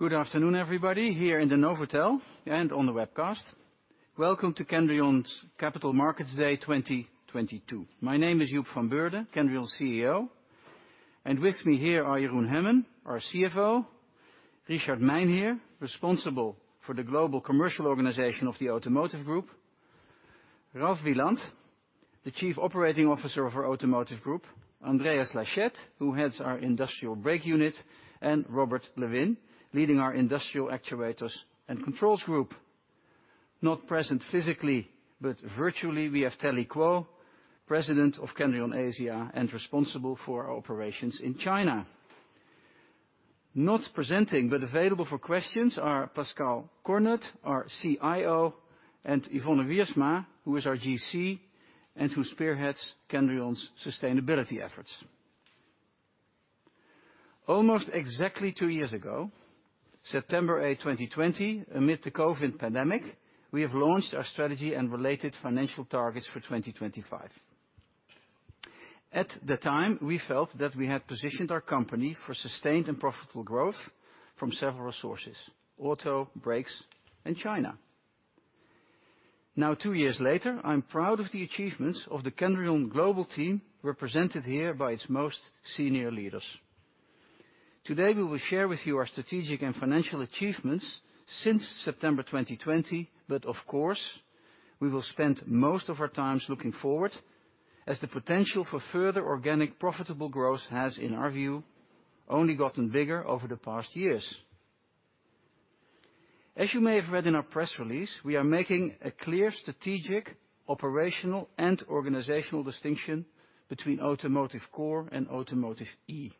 Good afternoon, everybody, here in the Novotel and on the webcast. Welcome to Kendrion's Capital Markets Day 2022. My name is Joep van Beurden, Kendrion's CEO. With me here are Jeroen Hemmen, our CFO. Richard Mijnheer, responsible for the Global Commercial Organization of the Automotive Group. Ralf Wieland, the Chief Operating Officer of our Automotive Group. Andreas Laschet, who heads our Industrial Brake unit, and Robert Lewin, leading our Industrial Actuators and Controls group. Not present physically, but virtually, we have Telly Kuo, President of Kendrion Asia and responsible for our Operations in China. Not presenting, but available for questions are Pascale Cornut, our CIO, and Yvonne Wiersma, who is our GC and who spearheads Kendrion's sustainability efforts. Almost exactly two years ago, September 8, 2020, amid the COVID pandemic, we have launched our strategy and related financial targets for 2025. At the time, we felt that we had positioned our company for sustained and profitable growth from several sources, auto, brakes, and China. Now two years later, I'm proud of the achievements of the Kendrion global team, represented here by its most senior leaders. Today, we will share with you our strategic and financial achievements since September 2020, but of course, we will spend most of our time looking forward, as the potential for further organic profitable growth has, in our view, only gotten bigger over the past years. As you may have read in our press release, we are making a clear strategic, operational, and organizational distinction between Automotive Core and Automotive E.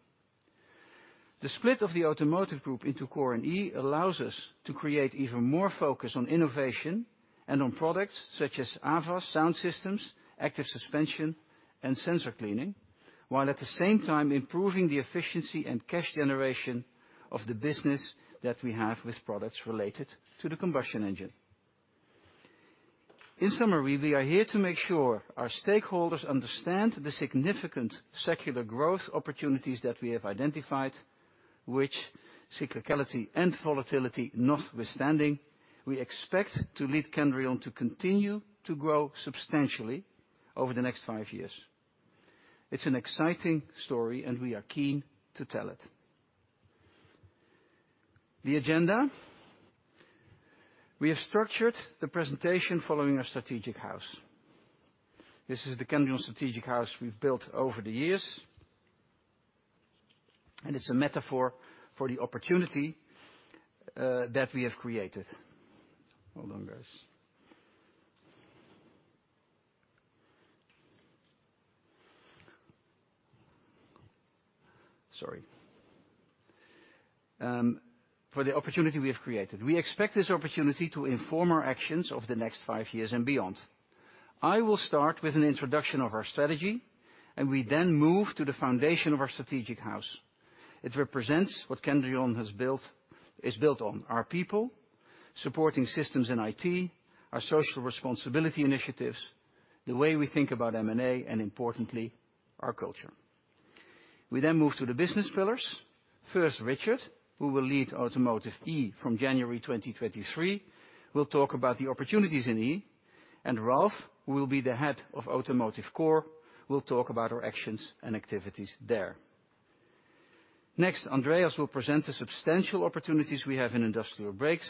The split of the Automotive Group into Core and E allows us to create even more focus on innovation and on products such as AVAS sound systems, active suspension, and sensor cleaning, while at the same time improving the efficiency and cash generation of the business that we have with products related to the combustion engine. In summary, we are here to make sure our stakeholders understand the significant secular growth opportunities that we have identified, which cyclicality and volatility notwithstanding, we expect to lead Kendrion to continue to grow substantially over the next five years. It's an exciting story, and we are keen to tell it. The agenda. We have structured the presentation following our strategic house. This is the Kendrion strategic house we've built over the years, and it's a metaphor for the opportunity, that we have created. Hold on, guys. Sorry. For the opportunity we have created. We expect this opportunity to inform our actions over the next five years and beyond. I will start with an introduction of our strategy, and we then move to the foundation of our strategic house. It represents what Kendrion is built on, our people, supporting systems and IT, our social responsibility initiatives, the way we think about M&A, and importantly, our culture. We then move to the business pillars. First, Richard Mijnheer, who will lead Automotive E from January 2023, will talk about the opportunities in E. Ralf Wieland, who will be the head of Automotive Core, will talk about our actions and activities there. Next, Andreas Laschet will present the substantial opportunities we have in Industrial Brakes,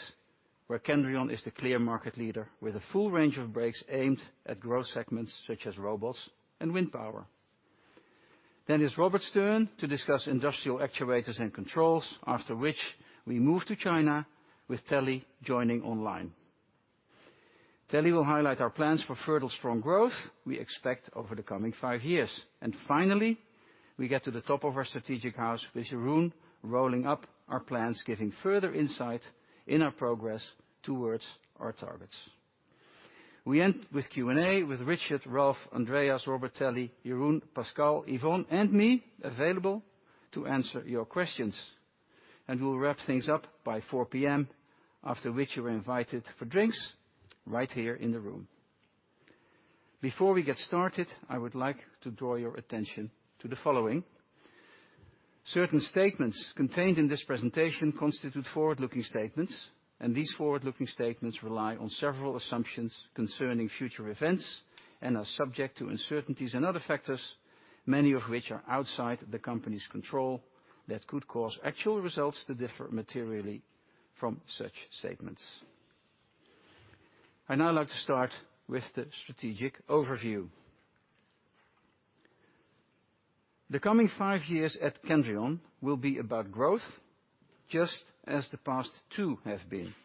where Kendrion is the clear market leader with a full range of brakes aimed at growth segments such as robots and wind power. It's Robert's turn to discuss Industrial Actuators and Controls, after which we move to China with Telly joining online. Telly will highlight our plans for further strong growth we expect over the coming five years. Finally, we get to the top of our strategic house with Jeroen rolling up our plans, giving further insight in our progress towards our targets. We end with Q&A with Richard, Ralf, Andreas, Robert, Telly, Jeroen, Pascal, Yvonne, and me available to answer your questions. We'll wrap things up by 4:00 P.M., after which you are invited for drinks right here in the room. Before we get started, I would like to draw your attention to the following. Certain statements contained in this presentation constitute forward-looking statements, and these forward-looking statements rely on several assumptions concerning future events and are subject to uncertainties and other factors, many of which are outside the company's control, that could cause actual results to differ materially from such statements. I'd now like to start with the strategic overview. The coming five years at Kendrion will be about growth, just as the past two have been.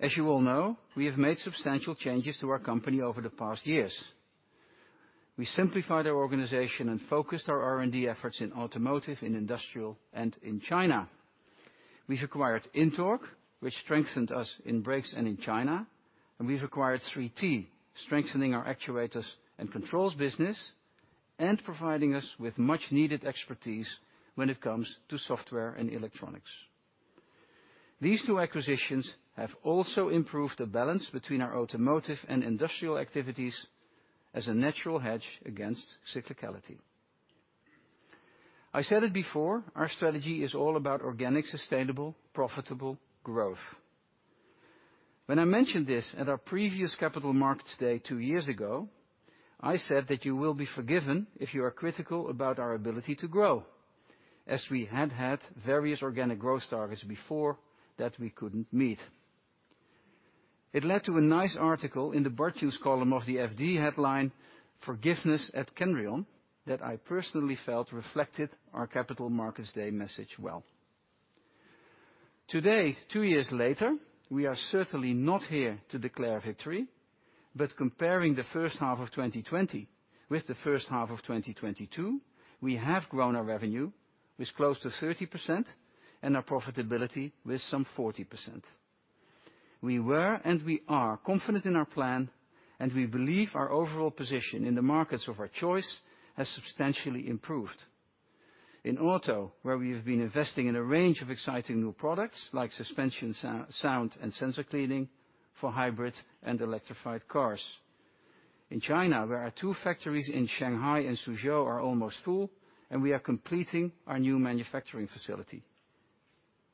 As you all know, we have made substantial changes to our company over the past years. We simplified our organization and focused our R&D efforts in automotive, in industrial, and in China. We've acquired INTORQ, which strengthened us in brakes and in China. We've acquired 3T, strengthening our actuators and controls business and providing us with much-needed expertise when it comes to software and electronics. These two acquisitions have also improved the balance between our automotive and industrial activities as a natural hedge against cyclicality. I said it before, our strategy is all about organic, sustainable, profitable growth. When I mentioned this at our previous Capital Markets Day two years ago, I said that you will be forgiven if you are critical about our ability to grow, as we had various organic growth targets before that we couldn't meet. It led to a nice article in the Bartjens column of the FD headline, Forgiveness at Kendrion, that I personally felt reflected our Capital Markets Day message well. Today, two years later, we are certainly not here to declare victory. Comparing the first half of 2020 with the first half of 2022, we have grown our revenue with close to 30% and our profitability with some 40%. We were, and we are confident in our plan, and we believe our overall position in the markets of our choice has substantially improved. In auto, where we have been investing in a range of exciting new products like suspension, sound, and sensor cleaning for hybrid and electrified cars. In China, where our two factories in Shanghai and Suzhou are almost full, and we are completing our new manufacturing facility.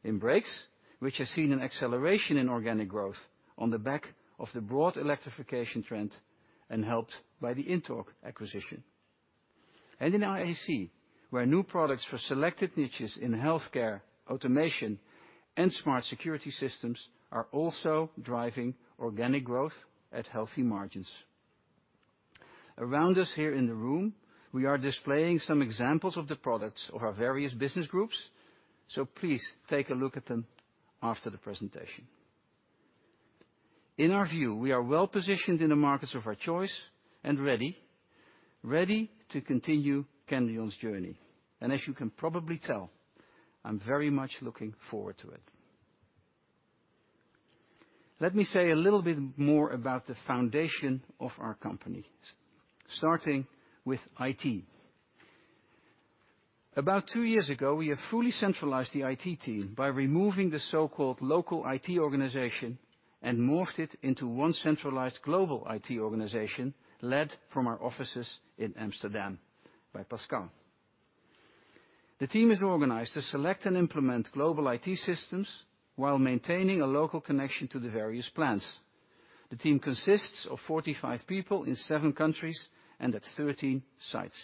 In brakes, which has seen an acceleration in organic growth on the back of the broad electrification trend and helped by the INTORQ acquisition. In IAC, where new products for selected niches in healthcare, automation, and smart security systems are also driving organic growth at healthy margins. Around us here in the room, we are displaying some examples of the products of our various business groups, so please take a look at them after the presentation. In our view, we are well-positioned in the markets of our choice and ready to continue Kendrion's journey. As you can probably tell, I'm very much looking forward to it. Let me say a little bit more about the foundation of our company, starting with IT. About two years ago, we have fully centralized the IT team by removing the so-called local IT organization and morphed it into one centralized global IT organization led from our offices in Amsterdam by Pascale. The team is organized to select and implement global IT systems while maintaining a local connection to the various plants. The team consists of 45 people in seven countries and at 13 sites.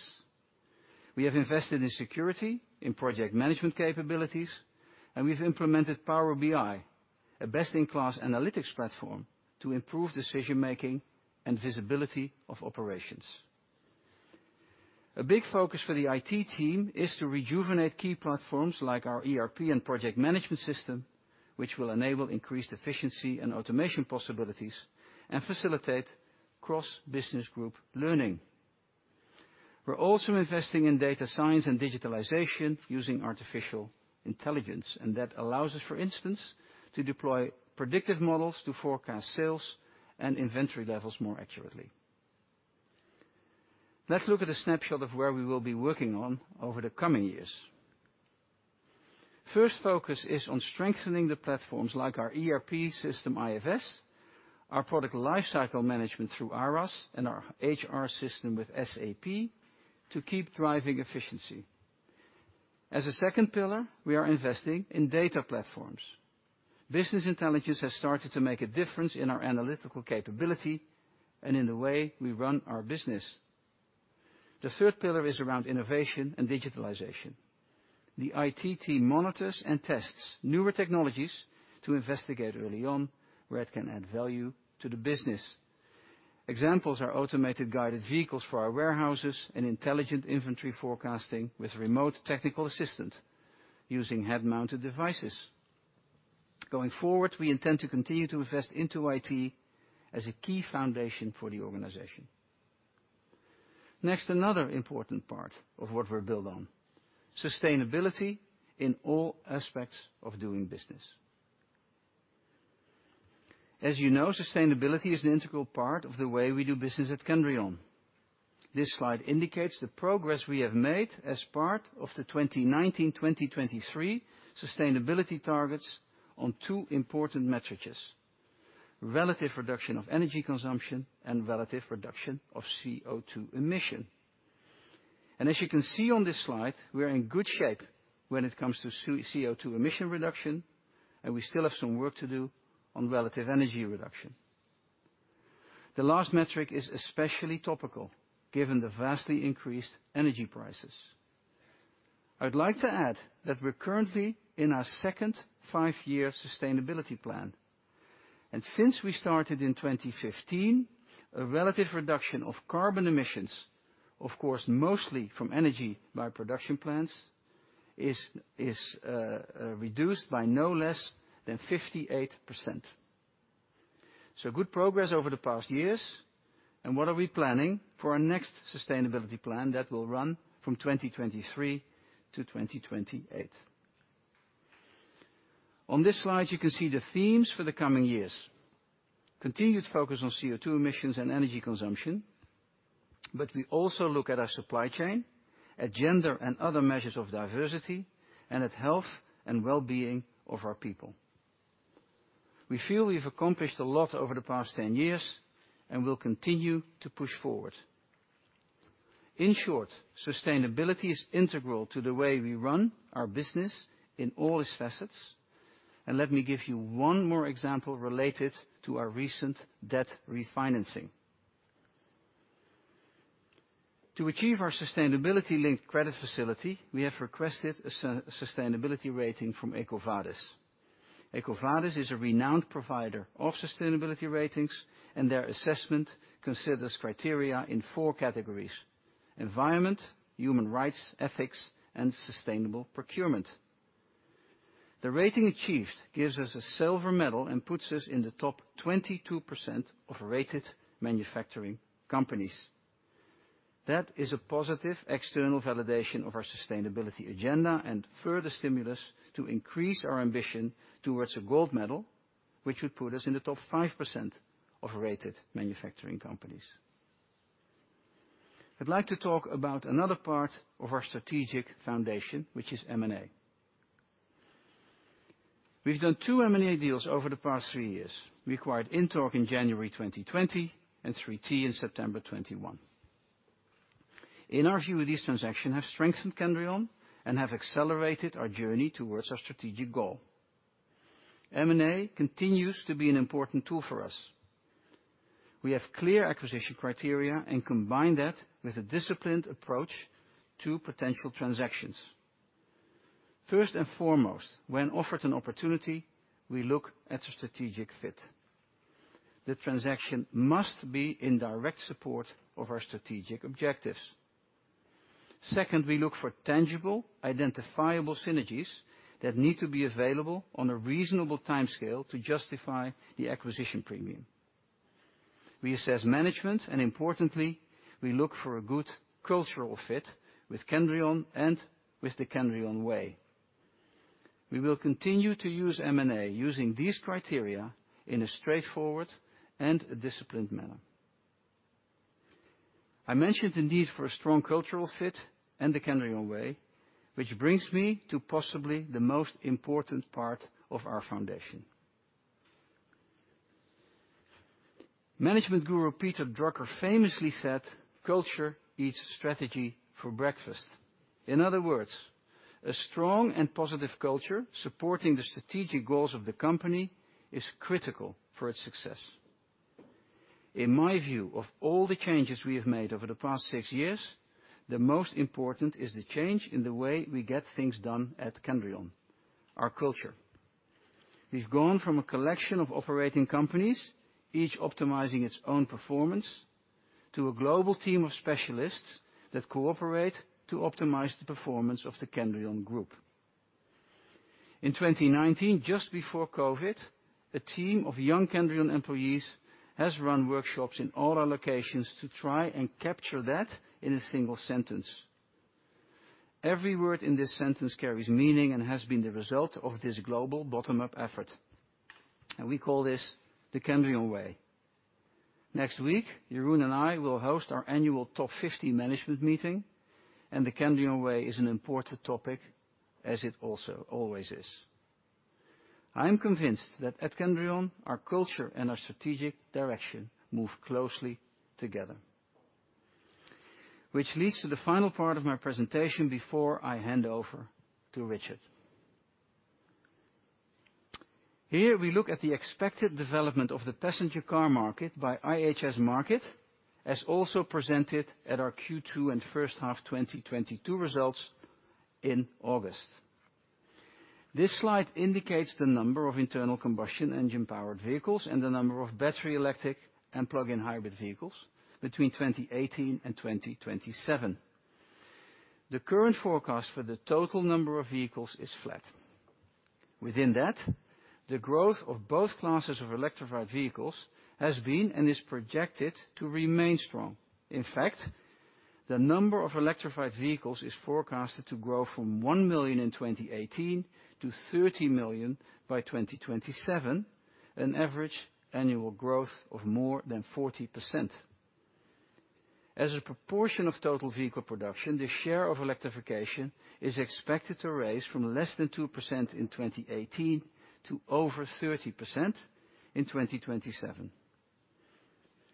We have invested in security, in project management capabilities, and we've implemented Power BI, a best-in-class analytics platform to improve decision-making and visibility of operations. A big focus for the IT team is to rejuvenate key platforms like our ERP and project management system, which will enable increased efficiency and automation possibilities and facilitate cross-business group learning. We're also investing in data science and digitalization using artificial intelligence, and that allows us, for instance, to deploy predictive models to forecast sales and inventory levels more accurately. Let's look at a snapshot of where we will be working on over the coming years. First focus is on strengthening the platforms like our ERP system, IFS, our product lifecycle management through Aras, and our HR system with SAP to keep driving efficiency. As a second pillar, we are investing in data platforms. Business intelligence has started to make a difference in our analytical capability and in the way we run our business. The third pillar is around innovation and digitalization. The IT team monitors and tests newer technologies to investigate early on where it can add value to the business. Examples are automated guided vehicles for our warehouses and intelligent inventory forecasting with remote technical assistance using head-mounted devices. Going forward, we intend to continue to invest into IT as a key foundation for the organization. Next, another important part of what we're built on, sustainability in all aspects of doing business. As you know, sustainability is an integral part of the way we do business at Kendrion. This slide indicates the progress we have made as part of the 2019-2023 sustainability targets on two important metrics, relative reduction of energy consumption and relative reduction of CO₂ emission. As you can see on this slide, we are in good shape when it comes to CO₂ emission reduction, and we still have some work to do on relative energy reduction. The last metric is especially topical given the vastly increased energy prices. I'd like to add that we're currently in our second five-year sustainability plan. Since we started in 2015, a relative reduction of carbon emissions, of course, mostly from energy by production plants, is reduced by no less than 58%. Good progress over the past years. What are we planning for our next sustainability plan that will run from 2023-2028? On this slide, you can see the themes for the coming years. Continued focus on CO₂ emissions and energy consumption. We also look at our supply chain, at gender and other measures of diversity, and at health and well-being of our people. We feel we've accomplished a lot over the past 10 years and will continue to push forward. In short, sustainability is integral to the way we run our business in all its facets. Let me give you one more example related to our recent debt refinancing. To achieve our sustainability-linked credit facility, we have requested a sustainability rating from EcoVadis. EcoVadis is a renowned provider of sustainability ratings, and their assessment considers criteria in four categories, environment, human rights, ethics, and sustainable procurement. The rating achieved gives us a silver medal and puts us in the top 22% of rated manufacturing companies. That is a positive external validation of our sustainability agenda and further stimulus to increase our ambition towards a gold medal, which would put us in the top 5% of rated manufacturing companies. I'd like to talk about another part of our strategic foundation, which is M&A. We've done two M&A deals over the past three years. We acquired INTORQ in January 2020 and 3T in September 2021. In our view, these transactions have strengthened Kendrion and have accelerated our journey towards our strategic goal. M&A continues to be an important tool for us. We have clear acquisition criteria and combine that with a disciplined approach to potential transactions. First and foremost, when offered an opportunity, we look at a strategic fit. The transaction must be in direct support of our strategic objectives. Second, we look for tangible, identifiable synergies that need to be available on a reasonable timescale to justify the acquisition premium. We assess management, and importantly, we look for a good cultural fit with Kendrion and with the Kendrion Way. We will continue to use M&A using these criteria in a straightforward and a disciplined manner. I mentioned the need for a strong cultural fit and the Kendrion Way, which brings me to possibly the most important part of our foundation. Management guru Peter Drucker famously said, "Culture eats strategy for breakfast." In other words, a strong and positive culture supporting the strategic goals of the company is critical for its success. In my view, of all the changes we have made over the past six years, the most important is the change in the way we get things done at Kendrion, our culture. We've gone from a collection of operating companies, each optimizing its own performance, to a global team of specialists that cooperate to optimize the performance of the Kendrion Group. In 2019, just before COVID, a team of young Kendrion employees has run workshops in all our locations to try and capture that in a single sentence. Every word in this sentence carries meaning and has been the result of this global bottom-up effort, and we call this the Kendrion Way. Next week, Jeroen and I will host our annual top 50 management meeting, and the Kendrion Way is an important topic, as it also always is. I am convinced that at Kendrion, our culture and our strategic direction move closely together. Which leads to the final part of my presentation before I hand over to Richard. Here we look at the expected development of the passenger car market by IHS Markit, as also presented at our Q2 and first half 2022 results in August. This slide indicates the number of internal combustion engine powered vehicles and the number of battery electric and plug-in hybrid vehicles between 2018 and 2027. The current forecast for the total number of vehicles is flat. Within that, the growth of both classes of electrified vehicles has been and is projected to remain strong. In fact, the number of electrified vehicles is forecasted to grow from 1 million in 2018 to 30 million by 2027, an average annual growth of more than 40%. As a proportion of total vehicle production, the share of electrification is expected to rise from less than 2% in 2018 to over 30% in 2027.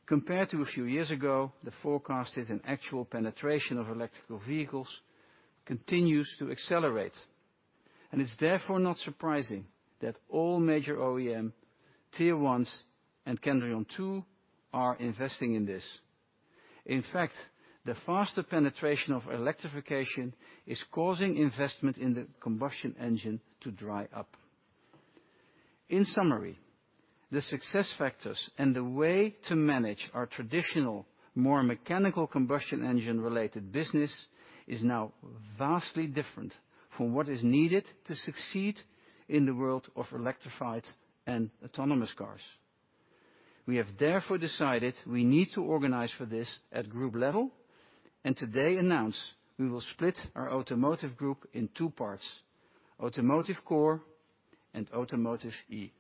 Compared to a few years ago, the forecasted and actual penetration of electric vehicles continues to accelerate, and it's therefore not surprising that all major OEM, Tier 1s and Kendrion too are investing in this. In fact, the faster penetration of electrification is causing investment in the combustion engine to dry up. In summary, the success factors and the way to manage our traditional, more mechanical combustion engine related business is now vastly different from what is needed to succeed in the world of electrified and autonomous cars. We have therefore decided we need to organize for this at group level and today announce we will split our automotive group in two parts, Automotive Core and Automotive E.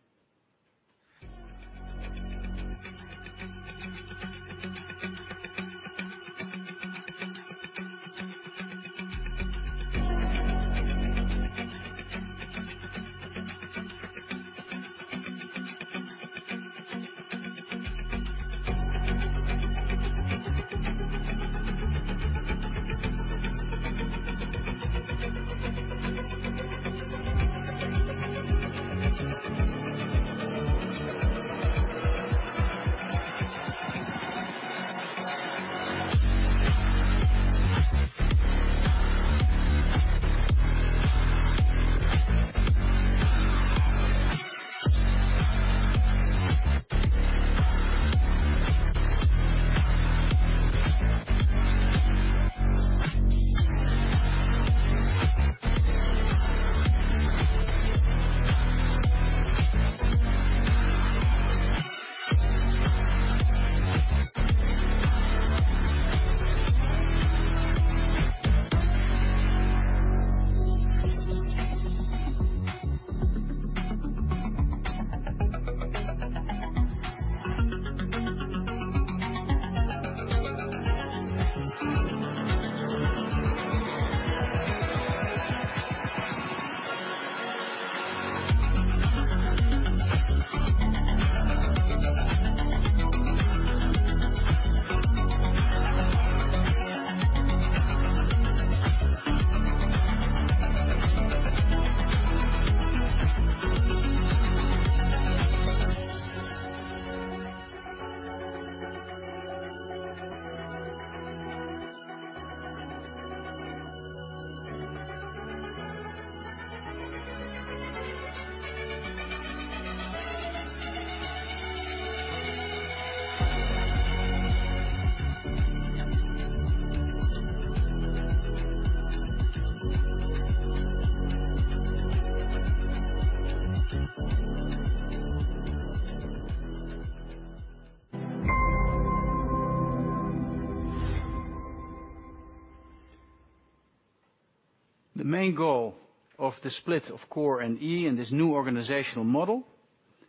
The main goal of the split of Core and E in this new organizational model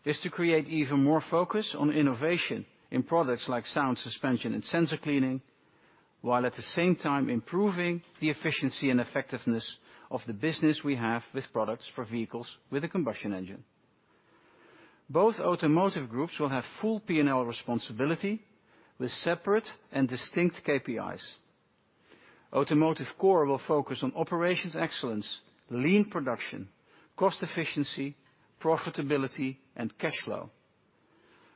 is to create even more focus on innovation in products like sound suspension and sensor cleaning, while at the same time improving the efficiency and effectiveness of the business we have with products for vehicles with a combustion engine. Both automotive groups will have full P&L responsibility with separate and distinct KPIs. Automotive Core will focus on operations excellence, lean production, cost efficiency, profitability and cash flow.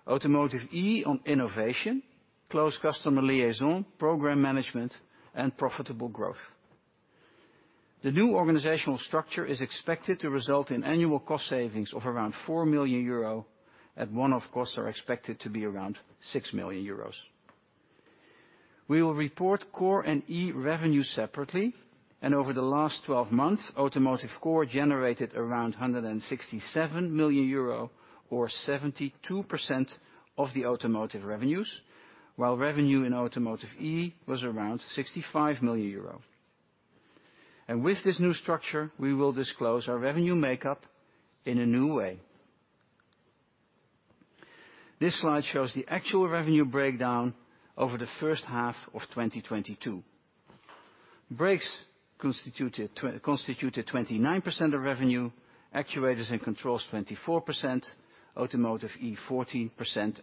Automotive E on innovation, close customer liaison, program management and profitable growth. The new organizational structure is expected to result in annual cost savings of around 4 million euro, and one-off costs are expected to be around 6 million euros. We will report Core and E revenue separately, and over the last 12 months, Automotive Core generated around 167 million euro or 72% of the automotive revenues, while revenue in Automotive E was around 65 million euro. With this new structure, we will disclose our revenue makeup in a new way. This slide shows the actual revenue breakdown over the first half of 2022. Brakes constituted 29% of revenue, actuators and controls 24%, Automotive E 14%,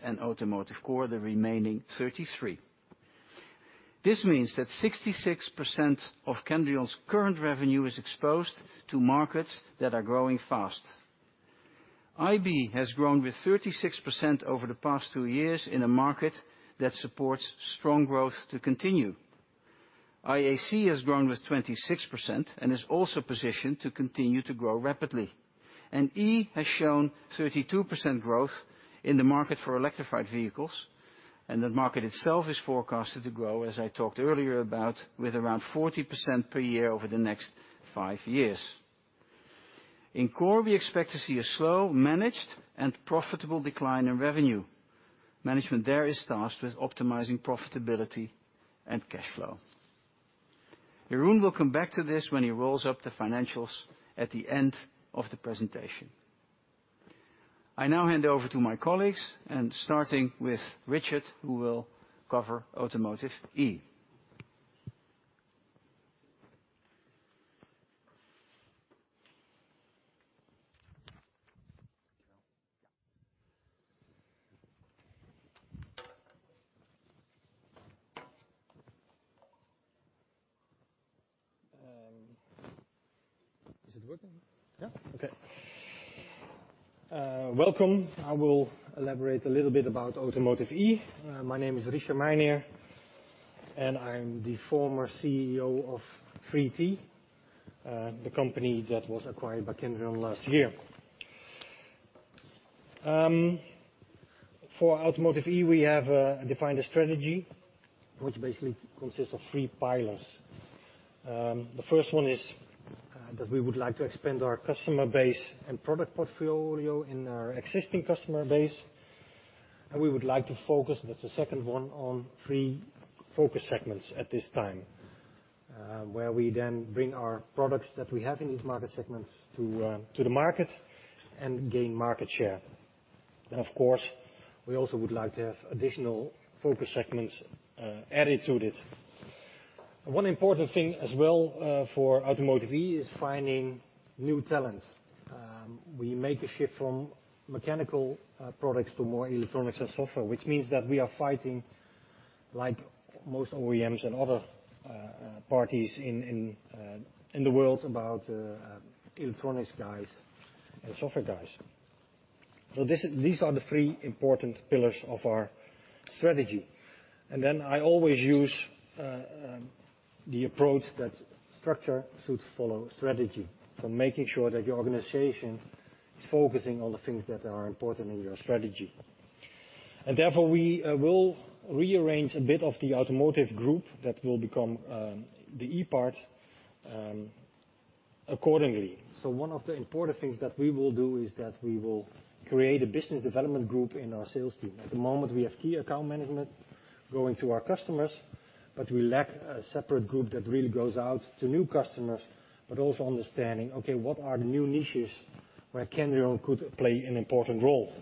and Automotive Core the remaining 33%. This means that 66% of Kendrion's current revenue is exposed to markets that are growing fast. IB has grown with 36% over the past two years in a market that supports strong growth to continue. IAC has grown with 26% and is also positioned to continue to grow rapidly. E has shown 32% growth in the market for electrified vehicles, and the market itself is forecasted to grow, as I talked earlier about, with around 40% per year over the next five years. In Core, we expect to see a slow, managed, and profitable decline in revenue. Management there is tasked with optimizing profitability and cash flow. Jeroen will come back to this when he rolls up the financials at the end of the presentation. I now hand over to my colleagues and starting with Richard, who will cover Automotive E. Welcome. I will elaborate a little bit about Automotive E. My name is Richard Mijnheer, and I'm the former CEO of 3T, the company that was acquired by Kendrion last year. For Automotive E, we have defined a strategy which basically consists of three pillars. The first one is that we would like to expand our customer base and product portfolio in our existing customer base, and we would like to focus, that's the second one, on three focus segments at this time, where we then bring our products that we have in these market segments to the market and gain market share. Of course, we also would like to have additional focus segments added to it. One important thing as well for Automotive E is finding new talent. We make a shift from mechanical products to more electronics and software, which means that we are fighting, like most OEMs and other parties in the world about electronics guys and software guys. These are the three important pillars of our strategy. Then I always use the approach that structure should follow strategy. Making sure that your organization is focusing on the things that are important in your strategy. Therefore we will rearrange a bit of the automotive group that will become the E part accordingly. One of the important things that we will do is that we will create a business development group in our sales team. At the moment, we have key account management going to our customers, but we lack a separate group that really goes out to new customers, but also understanding, okay, what are the new niches where Kendrion could play an important role.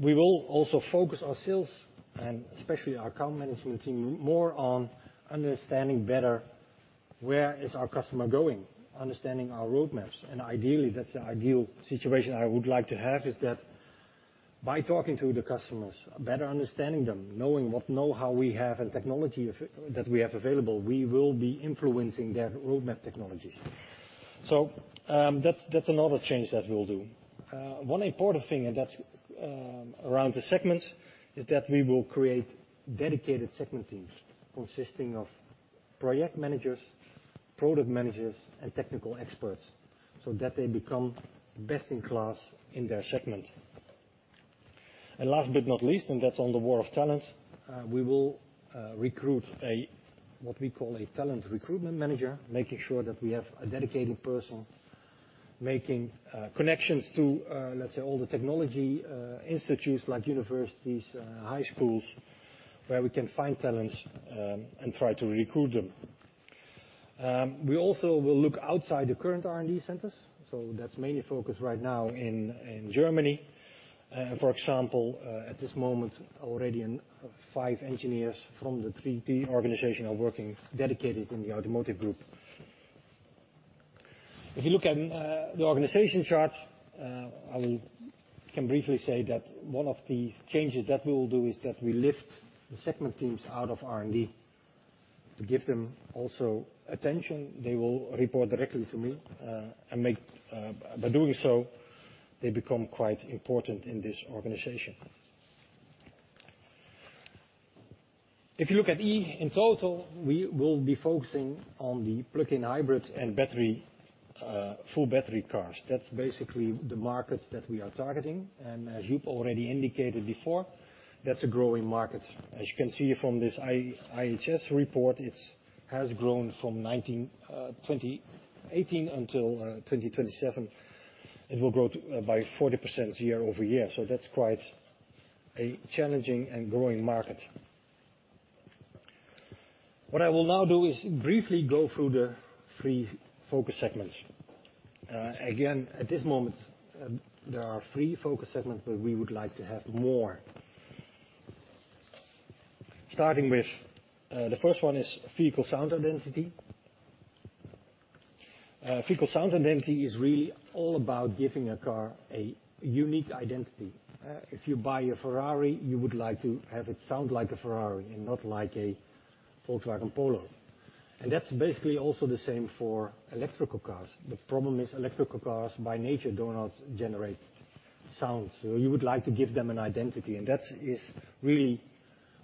We will also focus our sales, and especially our account management team, more on understanding better where is our customer going, understanding our roadmaps. Ideally, that's the ideal situation I would like to have, is that by talking to the customers, better understanding them, knowing what know-how we have and technology that we have available, we will be influencing their roadmap technologies. That's another change that we'll do. One important thing, and that's around the segments, is that we will create dedicated segment teams consisting of project managers, product managers, and technical experts, so that they become best in class in their segment. Last but not least, and that's on the war for talent, we will recruit a, what we call a talent recruitment manager, making sure that we have a dedicated person making connections to, let's say, all the technology institutes like universities, high schools, where we can find talents, and try to recruit them. We also will look outside the current R&D centers, so that's mainly focused right now in Germany. For example, at this moment, already five engineers from the 3T organization are working dedicated in the Automotive Group. If you look at the organization chart, I can briefly say that one of the changes that we will do is that we lift the segment teams out of R&D to give them also attention. They will report directly to me, and by doing so, they become quite important in this organization. If you look at E in total, we will be focusing on the plug-in hybrid and battery full battery cars. That's basically the markets that we are targeting. As Joep already indicated before, that's a growing market. As you can see from this IHS report, it has grown from 2018 until 2027. It will grow by 40% year-over-year. That's quite a challenging and growing market. What I will now do is briefly go through the three focus segments. Again, at this moment, there are three focus segments, but we would like to have more. Starting with, the first one is vehicle sound identity. Vehicle sound identity is really all about giving a car a unique identity. If you buy a Ferrari, you would like to have it sound like a Ferrari and not like a Volkswagen Polo. That's basically also the same for electric cars. The problem is electric cars by nature do not generate sound. You would like to give them an identity, and that is really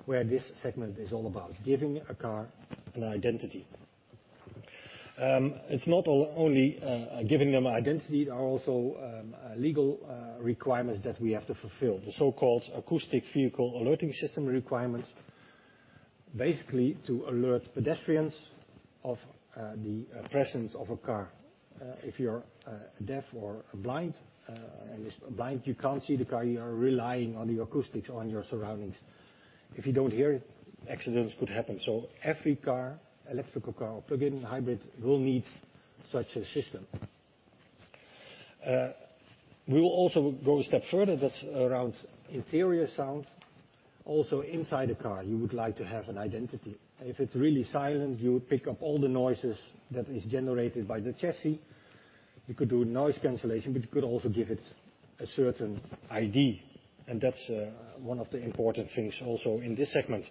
where this segment is all about, giving a car an identity. It's not only giving them identity, there are also legal requirements that we have to fulfill. The so-called Acoustic Vehicle Alerting System requirements, basically to alert pedestrians of the presence of a car. If you're deaf or blind, and if blind, you can't see the car, you are relying on the acoustics of your surroundings. If you don't hear it, accidents could happen. Every electric car or plug-in hybrid will need such a system. We will also go a step further. That's around interior sound. Also inside a car, you would like to have an identity. If it's really silent, you would pick up all the noises that is generated by the chassis. You could do noise cancellation, but you could also give it a certain ID, and that's one of the important things also in this segment.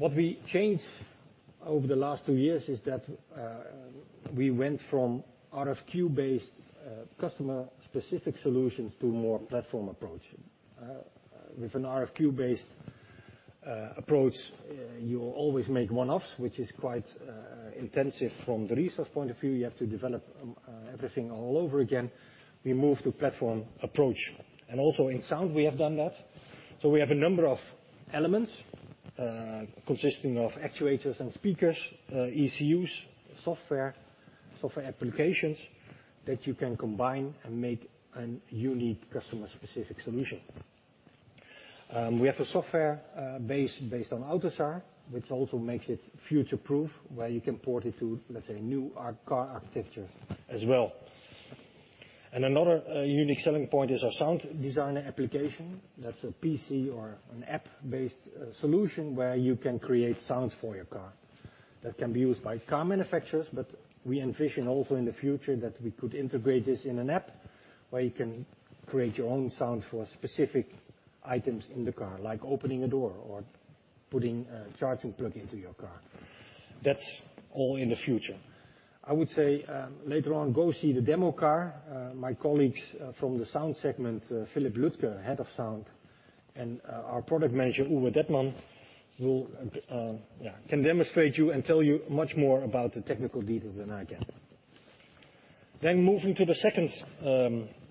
What we changed over the last two years is that we went from RFQ-based customer-specific solutions to a more platform approach. With an RFQ-based approach, you always make one-offs, which is quite intensive from the resource point of view. You have to develop everything all over again. We move to platform approach. Also in sound, we have done that. We have a number of elements consisting of actuators and speakers, ECUs, software applications that you can combine and make a unique customer specific solution. We have a software based on AUTOSAR, which also makes it future proof, where you can port it to, let's say, new car architecture as well. Another unique selling point is our sound designer application. That's a PC or an app-based solution, where you can create sounds for your car. That can be used by car manufacturers, but we envision also in the future that we could integrate this in an app, where you can create your own sound for specific items in the car, like opening a door or putting a charging plug into your car. That's all in the future. I would say, later on, go see the demo car. My colleagues from the sound segment, Philipp Lüdtke, Head of Sound, and our Product Manager, Uwe Dettmann, will demonstrate to you and tell you much more about the technical details than I can. Moving to the second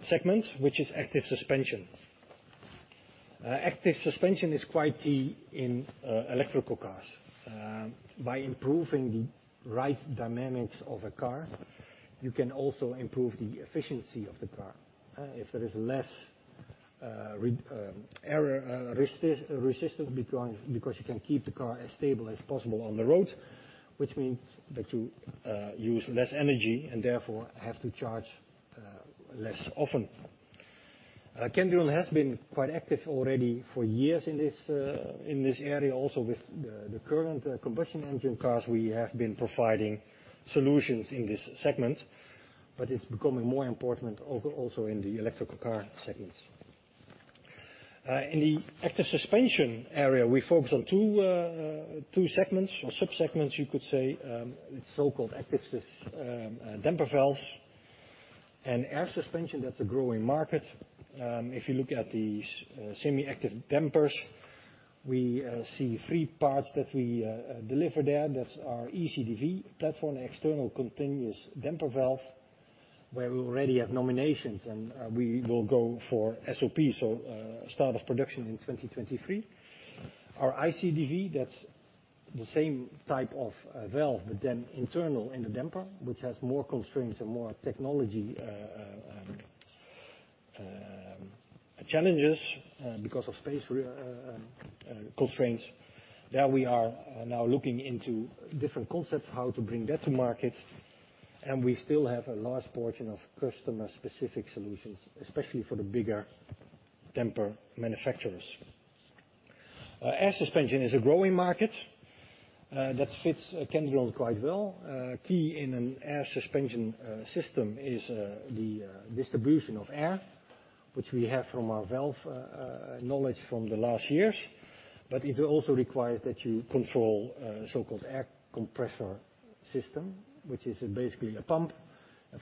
segment, which is active suspension. Active suspension is quite key in electric cars. By improving the ride dynamics of a car, you can also improve the efficiency of the car, if there is less resistance, because you can keep the car as stable as possible on the road, which means that you use less energy, and therefore have to charge less often. Kendrion has been quite active already for years in this area. Also with the current combustion engine cars, we have been providing solutions in this segment, but it's becoming more important also in the electric car segments. In the active suspension area, we focus on two segments or sub-segments, you could say, with so-called active damper valves and air suspension. That's a growing market. If you look at the semi-active dampers, we see three parts that we deliver there. That's our eCDV platform, External Continuous Damping Valve, where we already have nominations and we will go for SOP, start of production in 2023. Our iCDV, that's the same type of valve, but then internal in the damper, which has more constraints and more technology challenges because of space constraints. There we are now looking into different concepts, how to bring that to market. We still have a large portion of customer-specific solutions, especially for the bigger damper manufacturers. Air suspension is a growing market that fits Kendrion quite well. A key in an air suspension system is the distribution of air, which we have from our valve knowledge from the last years. It also requires that you control so-called air compressor system, which is basically a pump.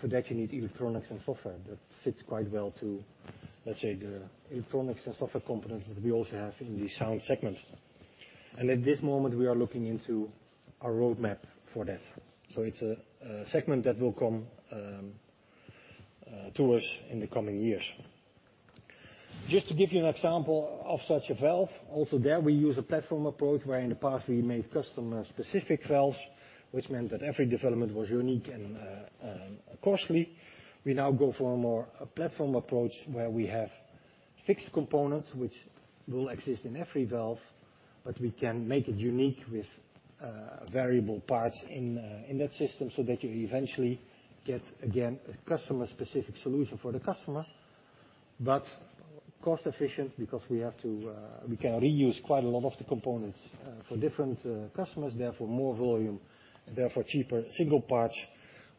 For that, you need electronics and software that fits quite well to, let's say, the electronics and software components that we also have in the sound segment. At this moment, we are looking into a roadmap for that. It's a segment that will come to us in the coming years. Just to give you an example of such a valve, also there we use a platform approach where in the past we made customer-specific valves, which meant that every development was unique and costly. We now go for a more platform approach where we have fixed components which will exist in every valve, but we can make it unique with variable parts in that system, so that you eventually get, again, a customer-specific solution for the customer. Cost-efficient because we can reuse quite a lot of the components for different customers, therefore more volume, therefore cheaper single parts.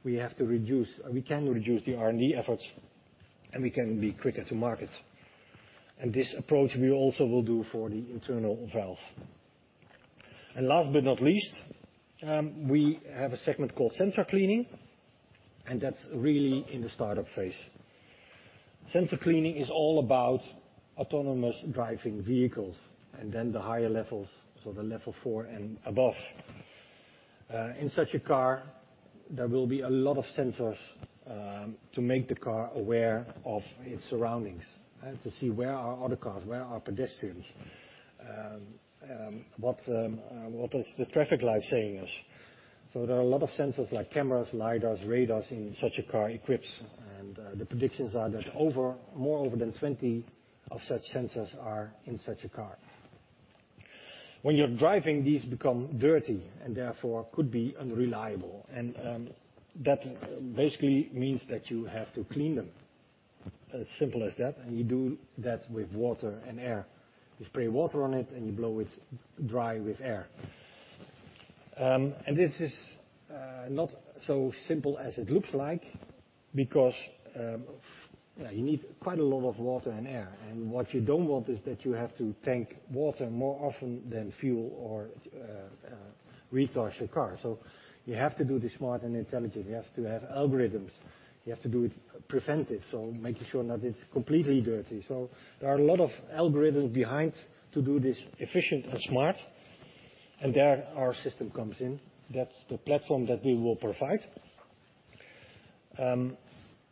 We can reduce the R&D efforts, and we can be quicker to market. This approach, we also will do for the internal valve. Last but not least, we have a segment called sensor cleaning, and that's really in the startup phase. Sensor cleaning is all about autonomous driving vehicles and then the higher levels, so the level four and above. In such a car, there will be a lot of sensors to make the car aware of its surroundings, to see where are other cars, where are pedestrians, what is the traffic light saying. There are a lot of sensors like cameras, LiDARs, radars in such a car equipped. The predictions are that more than 20 of such sensors are in such a car. When you're driving, these become dirty and therefore could be unreliable. That basically means that you have to clean them, simple as that. You do that with water and air. You spray water on it, and you blow it dry with air. This is not so simple as it looks like because you need quite a lot of water and air. What you don't want is that you have to tank water more often than fuel or recharge your car. You have to do this smart and intelligent. You have to have algorithms. You have to do it preventive, so making sure not it's completely dirty. There are a lot of algorithms behind to do this efficient and smart, and there our system comes in. That's the platform that we will provide.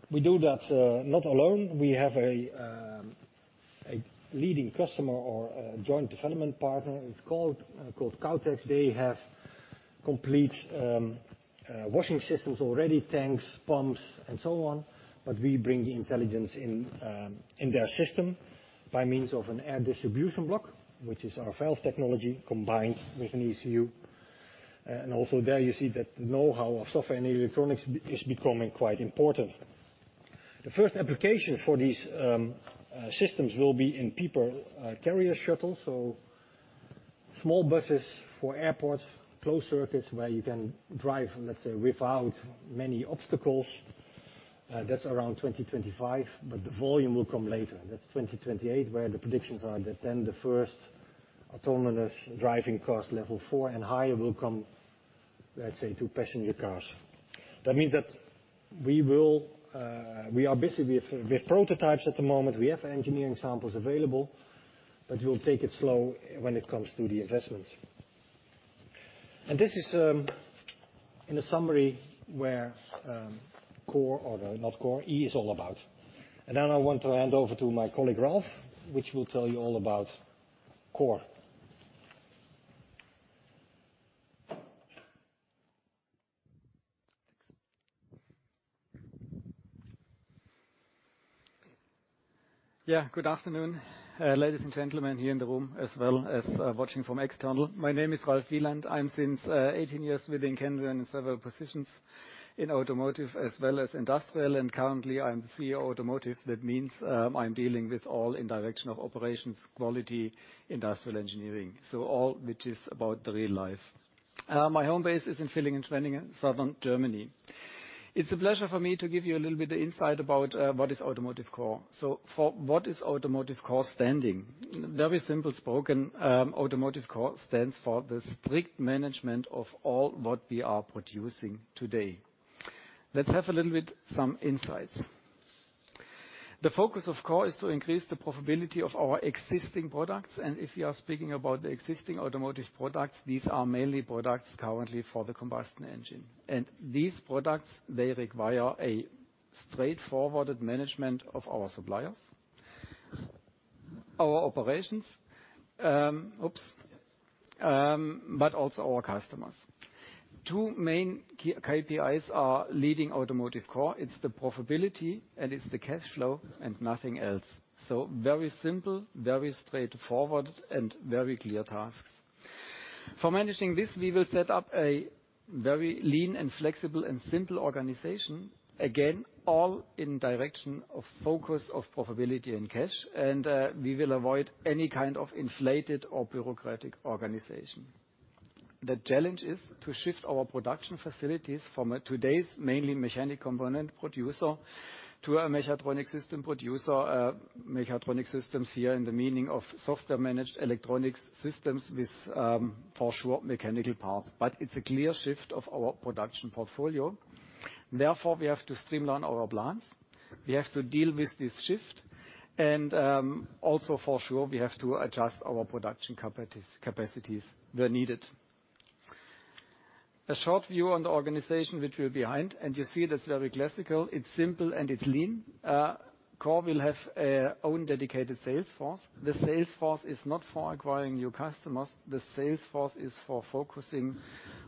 We do that not alone. We have a leading customer or a joint development partner is called Kautex. They have complete washing systems already, tanks, pumps, and so on. We bring the intelligence in in their system by means of an air distribution block, which is our valve technology combined with an ECU. Also there you see that the knowhow of software and electronics is becoming quite important. The first application for these systems will be in people carrier shuttles, so small buses for airports, closed circuits where you can drive, let's say, without many obstacles. That's around 2025, but the volume will come later, and that's 2028, where the predictions are that then the first autonomous driving cars, level four and higher, will come, let's say, to passenger cars. That means that we will, we are busy with prototypes at the moment. We have engineering samples available, but we will take it slow when it comes to the investments. This is, in a summary where, Core or, not Core, E is all about. Now I want to hand over to my colleague, Ralf Wieland, which will tell you all about Core. Yeah. Good afternoon, ladies and gentlemen here in the room as well as watching from external. My name is Ralf Wieland. I'm since 18 years within Kendrion in several positions in automotive as well as industrial, and currently I'm the CEO Automotive. That means, I'm dealing with all in direction of operations, quality, industrial engineering, so all which is about the real life. My home base is in Villingen-Schwenningen in southern Germany. It's a pleasure for me to give you a little bit insight about what is Automotive Core. For what is Automotive Core standing? Very simple spoken, Automotive Core stands for the strict management of all what we are producing today. Let's have a little bit some insights. The focus, of course, is to increase the profitability of our existing products, and if you are speaking about the existing automotive products, these are mainly products currently for the combustion engine. These products, they require a straightforward management of our suppliers, our operations, but also our customers. Two main KPIs are leading Automotive Core. It's the profitability, and it's the cash flow and nothing else. Very simple, very straightforward, and very clear tasks. For managing this, we will set up a very lean and flexible and simple organization. Again, all in direction of focus of profitability and cash, and we will avoid any kind of inflated or bureaucratic organization. The challenge is to shift our production facilities from today's mainly mechanical component producer to a mechatronic system producer. Mechatronic systems here in the meaning of software-managed electronics systems with, for sure, mechanical parts. It's a clear shift of our production portfolio. Therefore, we have to streamline our plants. We have to deal with this shift and, also for sure we have to adjust our production capacities where needed. A short view on the organization which we're behind, and you see that's very classical. It's simple, and it's lean. Core will have a own dedicated sales force. The sales force is not for acquiring new customers. The sales force is for focusing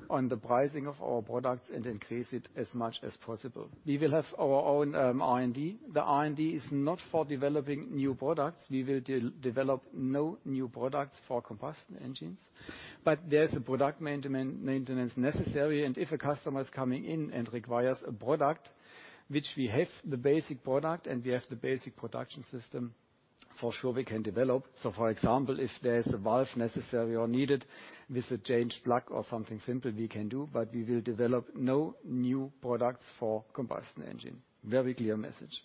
on the pricing of our products and increase it as much as possible. We will have our own R&D. The R&D is not for developing new products. We will develop no new products for combustion engines, but there's a product maintenance necessary. If a customer is coming in and requires a product which we have the basic product and we have the basic production system, for sure we can develop. For example, if there's a valve necessary or needed with a changed plug or something simple, we can do, but we will develop no new products for combustion engine. Very clear message.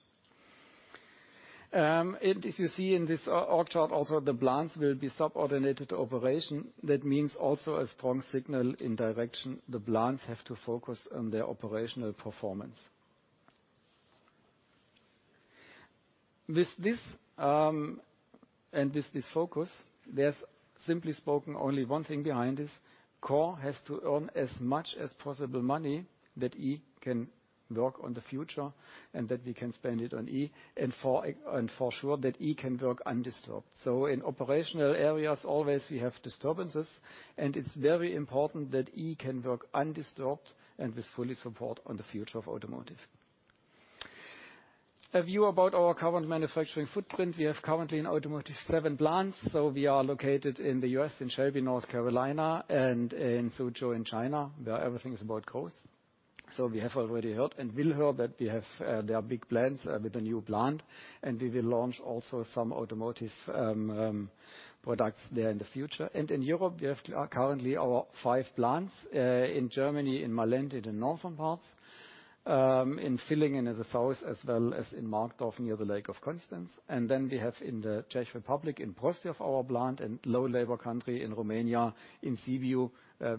As you see in this org chart also, the plants will be subordinated to operations. That means also a strong signal in direction. The plants have to focus on their operational performance. With this and with this focus, there's simply only one thing behind this. Core has to earn as much as possible money so that E can work on the future and that we can spend it on E. For sure, that E can work undisturbed. In operational areas, always we have disturbances, and it's very important that we can work undisturbed and with full support for the future of automotive. A view about our current manufacturing footprint. We have currently in automotive seven plants, so we are located in the U.S. in Shelby, North Carolina, and in Suzhou in China, where everything is about growth. We have already heard and will hear that there are big plans with the new plant, and we will launch also some automotive products there in the future. In Europe, we have currently our five plants in Germany, in Malente in northern parts, in Villingen in the south as well as in Markdorf, near the Lake of Constance. We have in the Czech Republic, in Prostějov, our plant and low labor country in Romania, in Sibiu,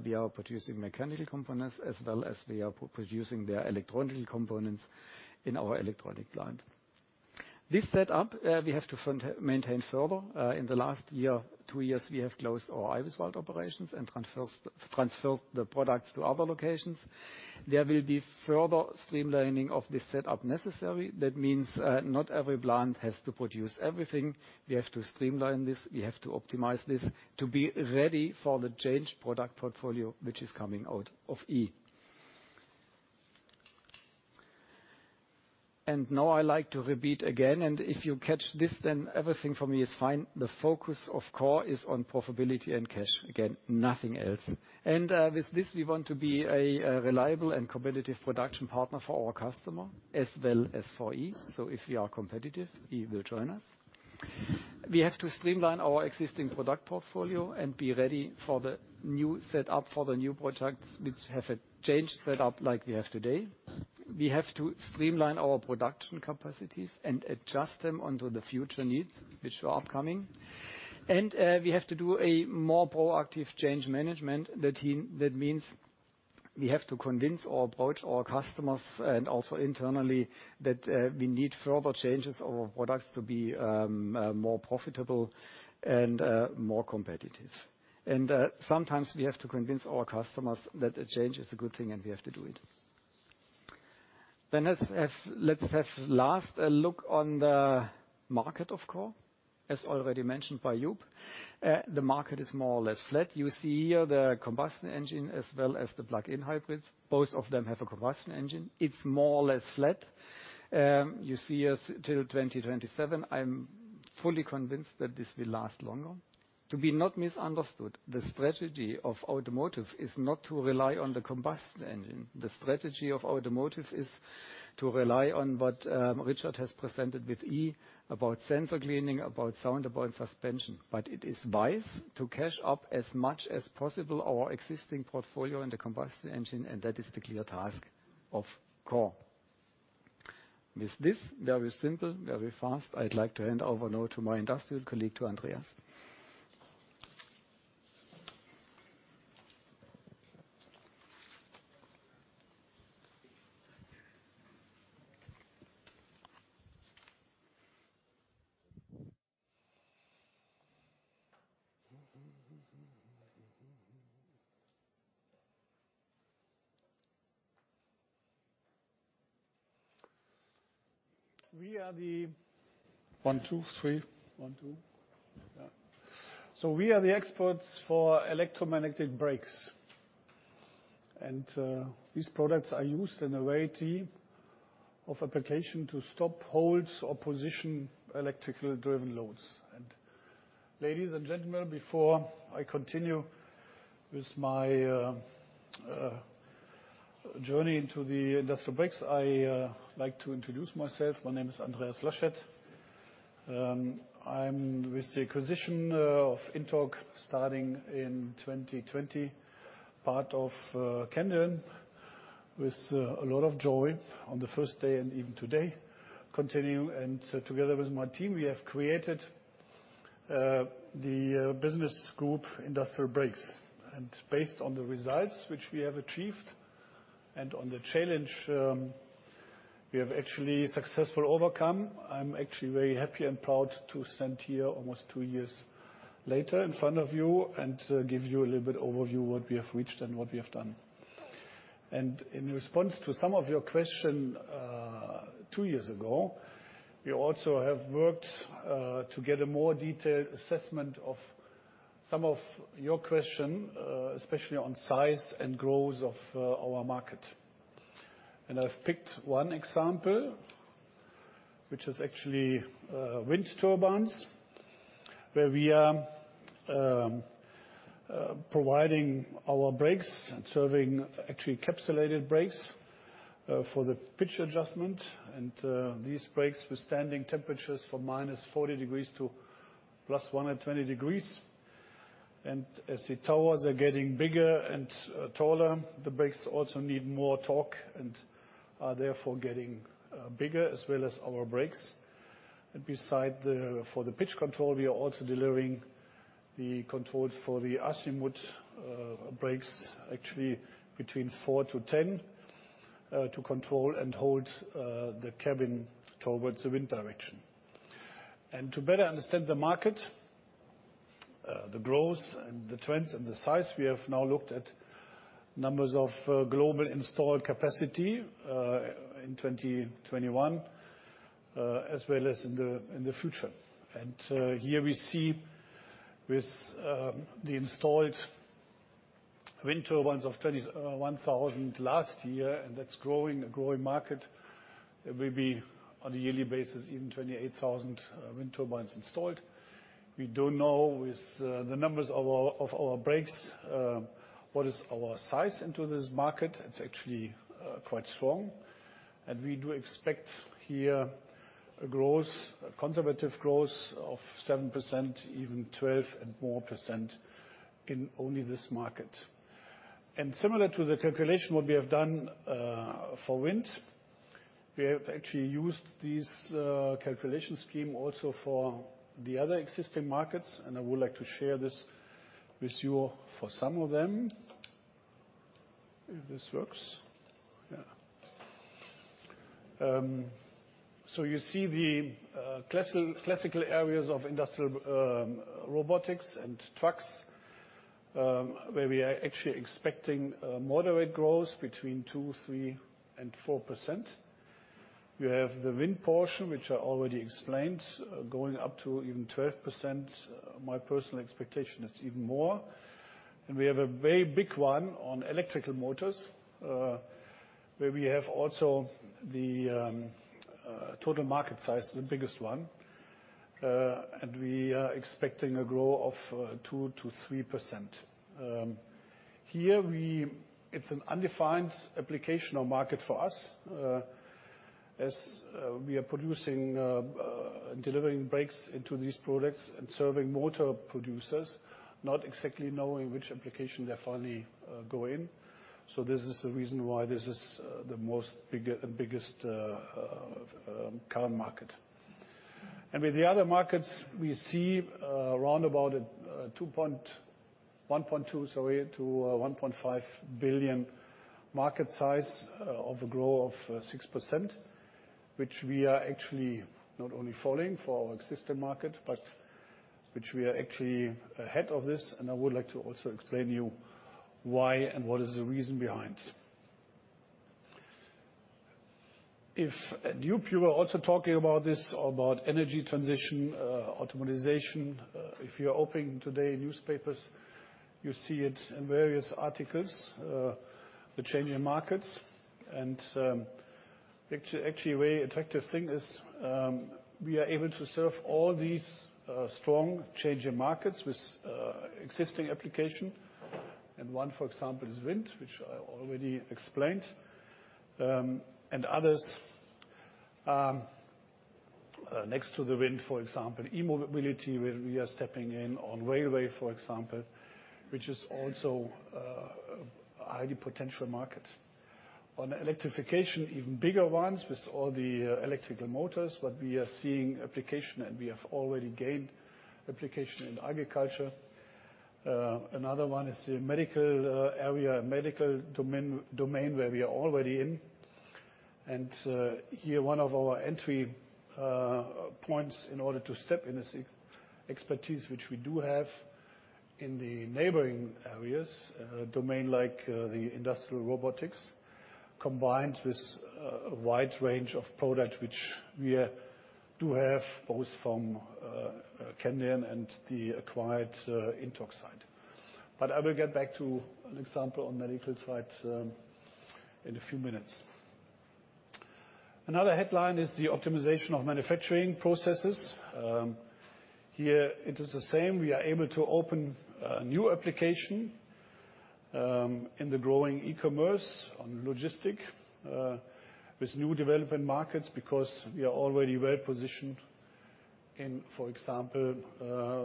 we are producing mechanical components as well as we are producing their electronic components in our electronic plant. This set up, we have to maintain further. In the last year, two years, we have closed our Eibiswald operations and transfers the products to other locations. There will be further streamlining of the setup necessary. That means, not every plant has to produce everything. We have to streamline this, we have to optimize this to be ready for the change product portfolio which is coming out of E. Now I like to repeat again, and if you catch this, then everything for me is fine. The focus of Core is on profitability and cash. Again, nothing else. With this, we want to be a reliable and competitive production partner for our customer as well as for E. If we are competitive, E will join us. We have to streamline our existing product portfolio and be ready for the new set up, for the new products which have a changed set up like we have today. We have to streamline our production capacities and adjust them onto the future needs which are upcoming. We have to do a more proactive change management that means we have to convince or approach our customers and also internally that we need further changes of our products to be more profitable and more competitive. Sometimes we have to convince our customers that a change is a good thing and we have to do it. Let's have a last look on the market of Core. As already mentioned by Joop, the market is more or less flat. You see here the combustion engine as well as the plug-in hybrids. Both of them have a combustion engine. It's more or less flat. You see up till 2027. I'm fully convinced that this will last longer. To be not misunderstood, the strategy of automotive is not to rely on the combustion engine. The strategy of automotive is to rely on what Richard has presented with Automotive E about sensor cleaning, about sound, about suspension. But it is wise to cash in as much as possible our existing portfolio in the combustion engine, and that is the clear task of Core. With this, very simple, very fast, I'd like to hand over now to my industrial colleague, to Andreas. We are the experts for electromagnetic brakes. These products are used in a variety of applications to stop, hold, or position electrically driven loads. Ladies and gentlemen, before I continue with my journey into the industrial brakes, I like to introduce myself. My name is Andreas Laschet. I'm with the acquisition of INTORQ starting in 2020, part of Kendrion with a lot of joy on the first day and even today continue. Together with my team, we have created the business group Industrial Brakes. Based on the results which we have achieved and on the challenge we have actually successfully overcome, I'm actually very happy and proud to stand here almost two years later in front of you and give you a little bit overview what we have reached and what we have done. In response to some of your questions two years ago, we also have worked to get a more detailed assessment of some of your questions especially on size and growth of our market. I've picked one example, which is actually wind turbines, where we are providing our brakes and serving actually encapsulated brakes for the pitch adjustment. These brakes withstanding temperatures from -40 degrees to +120 degrees. As the towers are getting bigger and taller, the brakes also need more torque and are therefore getting bigger, as well as our brakes. Besides the for the pitch control, we are also delivering the controls for the azimuth brakes, actually between four to 10 to control and hold the cabin towards the wind direction. To better understand the market, the growth and the trends and the size, we have now looked at numbers of global installed capacity in 2021, as well as in the future. Here we see with the installed wind turbines of 21,000 last year, and that's growing, a growing market, it will be on a yearly basis, even 28,000 wind turbines installed. We do know with the numbers of our brakes what is our size into this market. It's actually quite strong. We do expect here a growth, a conservative growth of 7%, even 12% and more in only this market. Similar to the calculation what we have done for wind, we have actually used these calculation scheme also for the other existing markets, and I would like to share this with you for some of them. You see the classical areas of industrial robotics and trucks where we are actually expecting moderate growth between 2%-4%. We have the wind portion, which I already explained, going up to even 12%. My personal expectation is even more. We have a very big one on electrical motors, where we have also the total market size, the biggest one. We are expecting a growth of 2%-3%. It's an undefined application or market for us, as we are producing, delivering brakes into these products and serving motor producers, not exactly knowing which application they finally go in. This is the reason why this is the biggest current market. With the other markets, we see around about 1.2-1.5 billion market size of a growth of 6%, which we are actually not only following for our existing market, but which we are actually ahead of this. I would like to also explain you why and what is the reason behind. If Joep, you were also talking about this, about energy transition, optimization. If you're opening today newspapers, you see it in various articles, the changing markets. Actually a very attractive thing is, we are able to serve all these, strong changing markets with, existing application. One, for example, is wind, which I already explained. Others, next to the wind, for example, e-mobility, where we are stepping in on railway, for example, which is also, a highly potential market. On electrification, even bigger ones with all the electrical motors, but we are seeing application, and we have already gained application in agriculture. Another one is the medical area, medical domain where we are already in. Here, one of our entry points in order to step in is expertise, which we do have in the neighboring areas domain like the industrial robotics, combined with a wide range of product which we do have, both from Kendrion and the acquired INTORQ side. I will get back to an example on medical side in a few minutes. Another headline is the optimization of manufacturing processes. Here it is the same. We are able to open a new application in the growing e-commerce and logistics with new development markets because we are already well-positioned in, for example,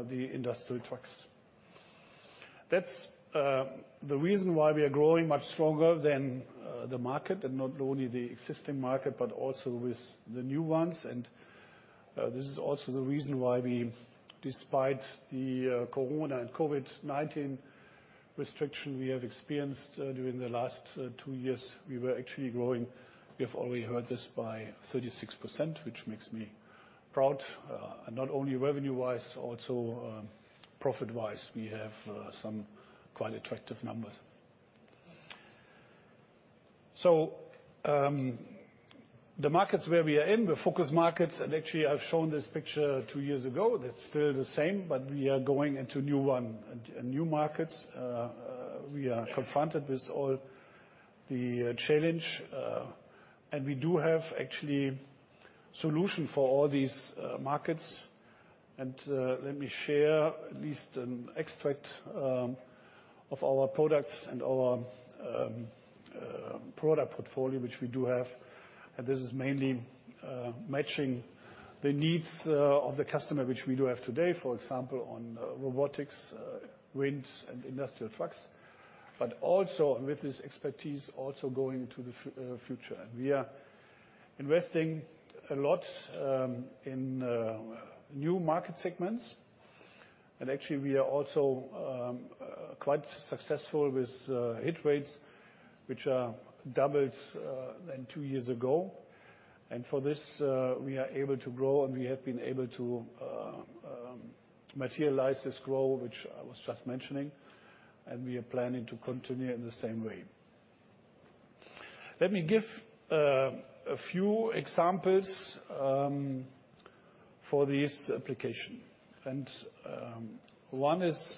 the industrial trucks. That's the reason why we are growing much stronger than the market and not only the existing market, but also with the new ones. This is also the reason why we, despite the corona and COVID-19 restrictions we have experienced during the last two years, we were actually growing. We have already heard this by 36%, which makes me proud. Not only revenue-wise, also profit-wise, we have some quite attractive numbers. The markets where we are in, the focus markets, and actually I've shown this picture two years ago, that's still the same, but we are going into new ones, new markets. We are confronted with all the challenges, and we do have actually solutions for all these markets. Let me share at least an extract of our products and our product portfolio, which we do have. This is mainly matching the needs of the customer, which we do have today, for example, on robotics, wins and industrial trucks, but also with this expertise also going to the future. We are investing a lot in new market segments. Actually, we are also quite successful with hit rates, which are doubled than two years ago. For this, we are able to grow, and we have been able to materialize this growth, which I was just mentioning, and we are planning to continue in the same way. Let me give a few examples for this application. One is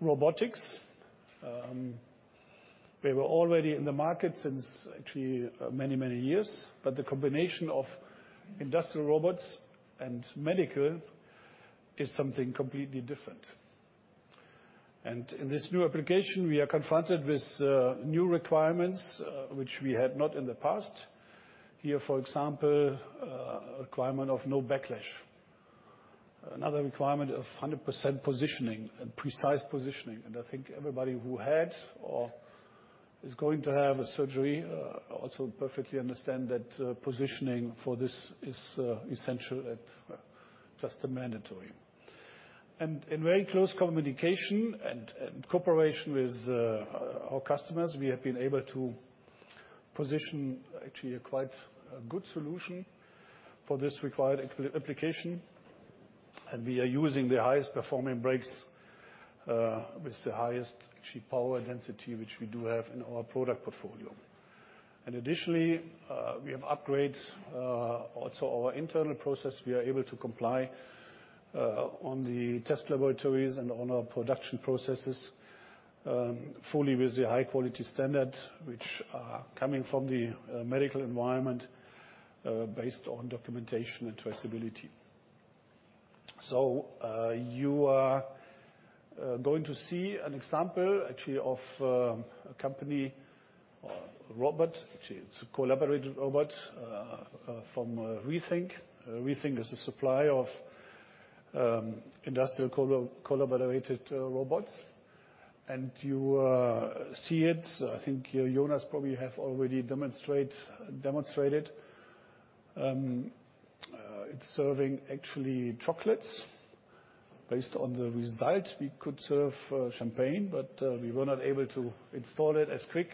robotics. We were already in the market since actually many, many years, but the combination of industrial robots and medical is something completely different. In this new application, we are confronted with new requirements, which we had not in the past. Here, for example, requirement of no backlash. Another requirement of 100% positioning and precise positioning. I think everybody who had or is going to have a surgery also perfectly understands that positioning for this is essential. It's just mandatory. In very close communication and cooperation with our customers, we have been able to position actually a quite good solution for this required application, and we are using the highest performing brakes with the highest actually power density, which we do have in our product portfolio. Additionally, we have upgrades, also our internal process, we are able to comply, on the test laboratories and on our production processes, fully with the high quality standard which are coming from the, medical environment, based on documentation and traceability. You are going to see an example actually of, a company or robot, actually, it's a collaborative robot, from, Rethink Robotics. Rethink Robotics is a supplier of, industrial collaborative, robots. You see it, I think Jonas probably have already demonstrated, it's serving actually chocolates. Based on the result, we could serve, champagne, but, we were not able to install it as quick.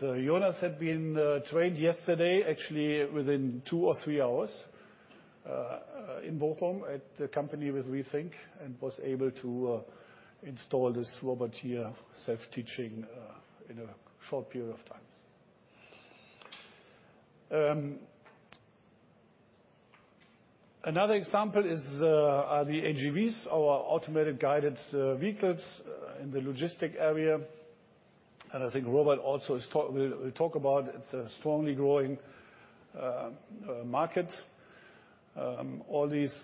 Jonas had been trained yesterday actually within two or three hours in Bochum at the company with Rethink Robotics, and was able to install this robot here, self-teaching, in a short period of time. Another example is our AGVs, automated guided vehicles, in the logistics area. I think Robert also will talk about it. It's a strongly growing market. All these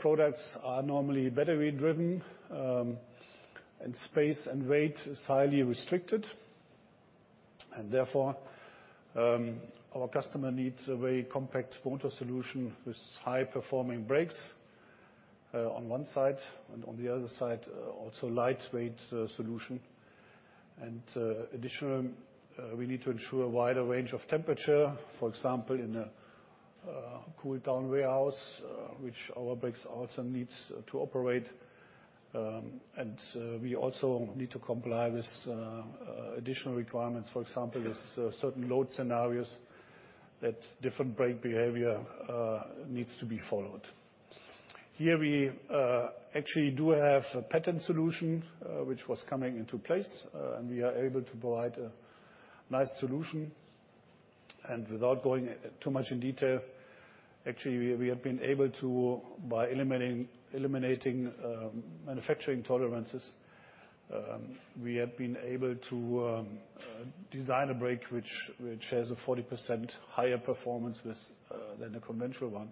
products are normally battery driven, and space and weight is highly restricted. Therefore, our customer needs a very compact motor solution with high-performing brakes on one side, and on the other side also lightweight solution. Additionally, we need to ensure a wider range of temperature, for example, in a cooled down warehouse, which our brakes also needs to operate. We also need to comply with additional requirements. For example, there's certain load scenarios that different brake behavior needs to be followed. Here, we actually do have a patent solution, which was coming into place, and we are able to provide a nice solution. Without going too much in detail, actually, we have been able to by eliminating manufacturing tolerances, we have been able to design a brake which has a 40% higher performance than the conventional one.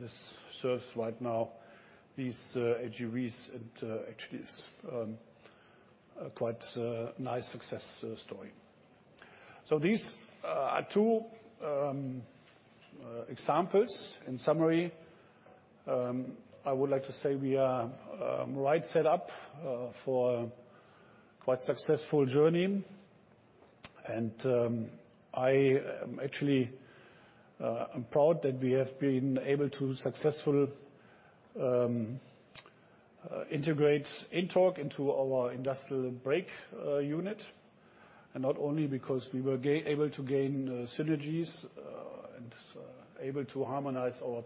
This serves right now these AGVs, and actually it's a quite nice success story. These are two examples. In summary, I would like to say we are right set up for quite successful journey. I am actually proud that we have been able to successfully integrate INTORQ into our industrial brake unit. Not only because we were able to gain synergies and able to harmonize our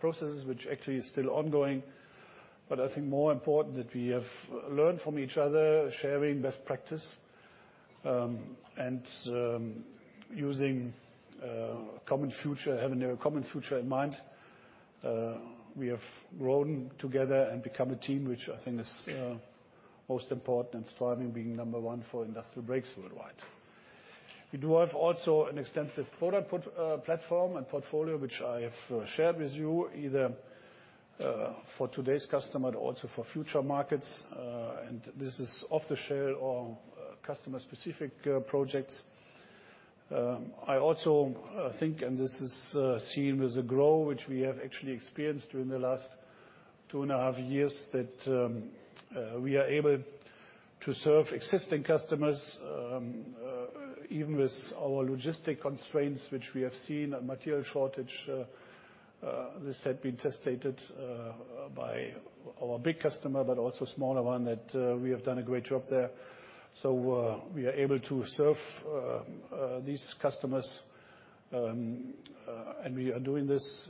processes, which actually is still ongoing, but I think more important that we have learned from each other, sharing best practice, and using a common future, having a common future in mind. We have grown together and become a team, which I think is most important in striving being number one for industrial brakes worldwide. We do have also an extensive product platform and portfolio, which I have shared with you, either for today's customer and also for future markets. This is off-the-shelf or customer-specific projects. I also think, and this is seen as growth, which we have actually experienced during the last 2.5 years, that we are able to serve existing customers even with our logistics constraints, which we have seen, and material shortage. This had been tested by our big customer, but also smaller one that we have done a great job there. We are able to serve these customers, and we are doing this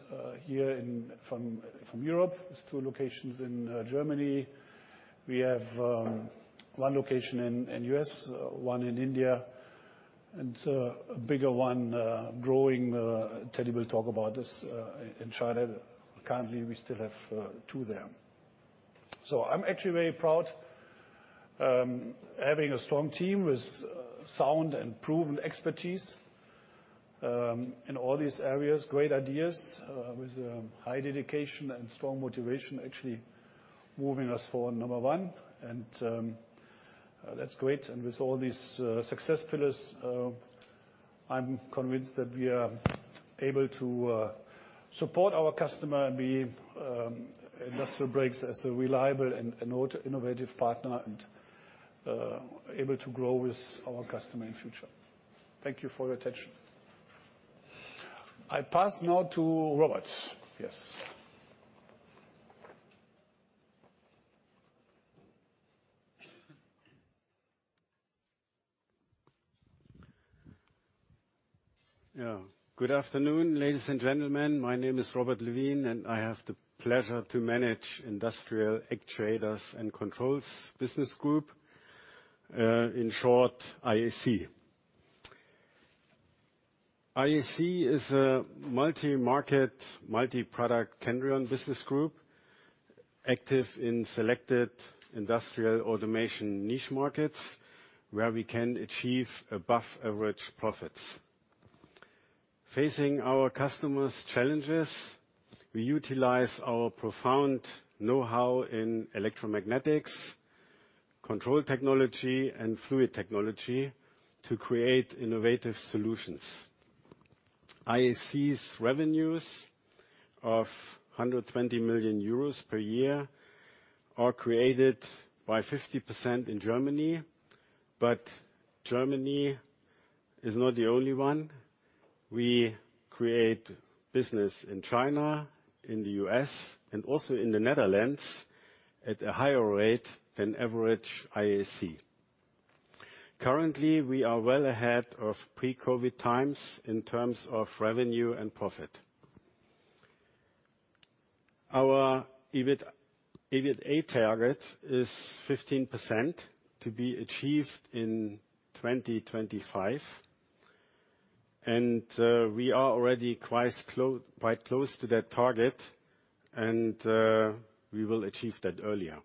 from Europe. There are two locations in Germany. We have one location in the U.S., one in India, and a bigger one, growing. Telly Kuo will talk about this in China. Currently, we still have two there. I'm actually very proud having a strong team with sound and proven expertise in all these areas, great ideas with high dedication and strong motivation, actually moving us for number one. That's great. With all these success pillars, I'm convinced that we are able to support our customer and be Industrial Brakes as a reliable and innovative partner and able to grow with our customer in future. Thank you for your attention. I pass now to Robert. Yes. Yeah. Good afternoon, ladies and gentlemen. My name is Robert Lewin, and I have the pleasure to manage Industrial Actuators and Controls Business Group, in short, IAC. IAC is a multi-market, multi-product Kendrion Business Group, active in selected industrial automation niche markets where we can achieve above average profits. Facing our customers' challenges, we utilize our profound know-how in electromagnetics, control technology, and fluid technology to create innovative solutions. IAC's revenues of 120 million euros per year are created by 50% in Germany, but Germany is not the only one. We create business in China, in the U.S., and also in the Netherlands at a higher rate than average IAC. Currently, we are well ahead of pre-COVID times in terms of revenue and profit. Our EBIT, EBITDA target is 15% to be achieved in 2025, and we are already quite close to that target, and we will achieve that earlier.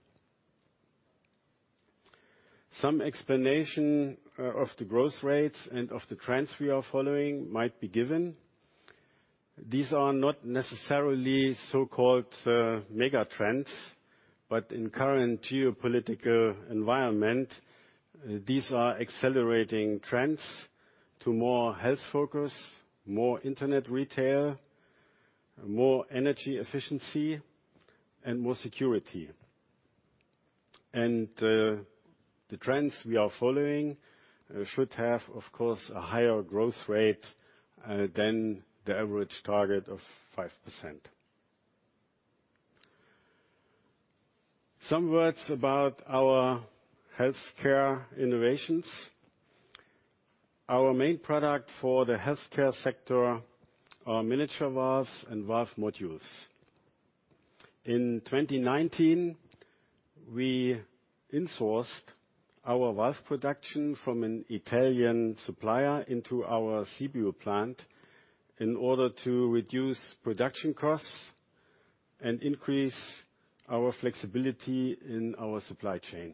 Some explanation of the growth rates and of the trends we are following might be given. These are not necessarily so-called mega trends, but in current geopolitical environment, these are accelerating trends to more health focus, more internet retail, more energy efficiency, and more security. The trends we are following should have, of course, a higher growth rate than the average target of 5%. Some words about our healthcare innovations. Our main product for the healthcare sector are miniature valves and valve modules. In 2019, we insourced our valve production from an Italian supplier into our Sibiu plant in order to reduce production costs and increase our flexibility in our supply chain.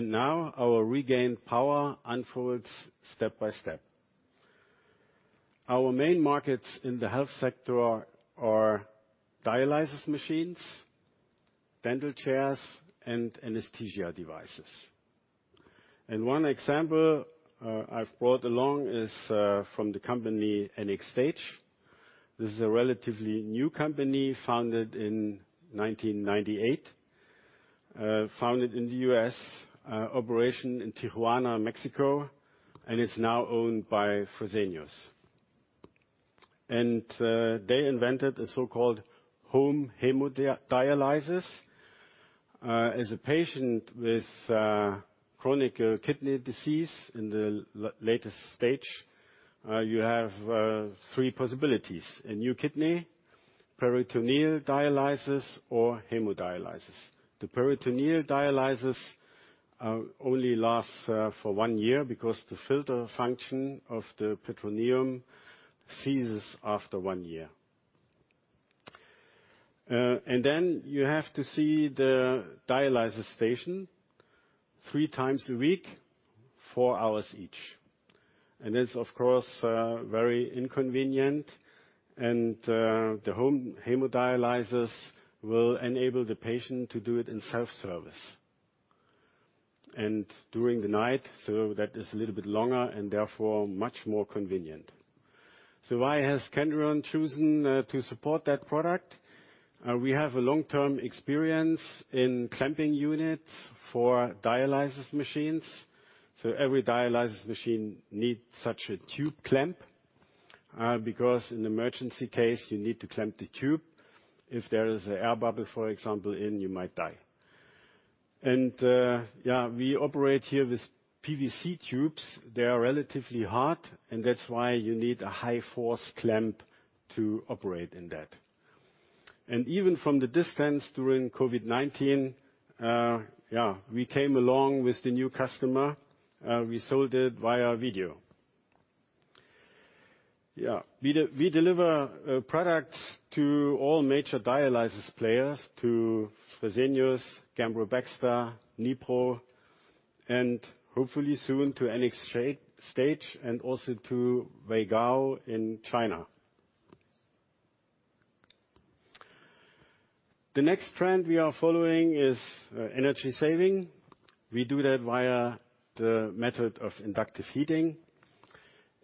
Now our regained power unfolds step by step. Our main markets in the health sector are dialysis machines, dental chairs, and anesthesia devices. One example I've brought along is from the company NxStage. This is a relatively new company founded in 1998. Founded in the U.S., operation in Tijuana, Mexico, and it's now owned by Fresenius. They invented the so-called home hemodialysis. As a patient with chronic kidney disease in the latest stage, you have three possibilities, a new kidney, peritoneal dialysis, or hemodialysis. The peritoneal dialysis only lasts for one year because the filter function of the peritoneum ceases after one year. Then you have to see the dialysis station 3x a week, four hours each. That's, of course, very inconvenient and the home hemodialysis will enable the patient to do it in self-service, and during the night, so that is a little bit longer and therefore much more convenient. Why has Kendrion chosen to support that product? We have a long-term experience in clamping units for dialysis machines. Every dialysis machine needs such a tube clamp because in emergency case you need to clamp the tube. If there is an air bubble, for example, in, you might die. We operate here with PVC tubes. They are relatively hard, and that's why you need a high force clamp to operate in that. Even from the distance during COVID-19, we came along with the new customer. We sold it via video. We deliver products to all major dialysis players, to Fresenius, Gambro, Baxter, Nipro, and hopefully soon to NxStage, and also to Weigao in China. The next trend we are following is energy saving. We do that via the method of induction heating.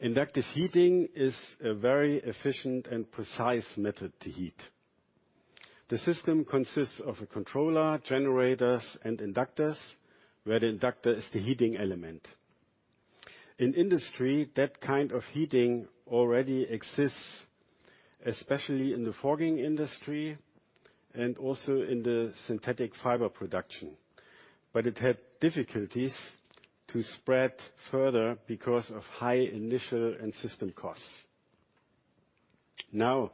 Induction heating is a very efficient and precise method to heat. The system consists of a controller, generators, and inductors, where the inductor is the heating element. In industry, that kind of heating already exists, especially in the forging industry, and also in the synthetic fiber production. It had difficulties to spread further because of high initial and system costs. Now,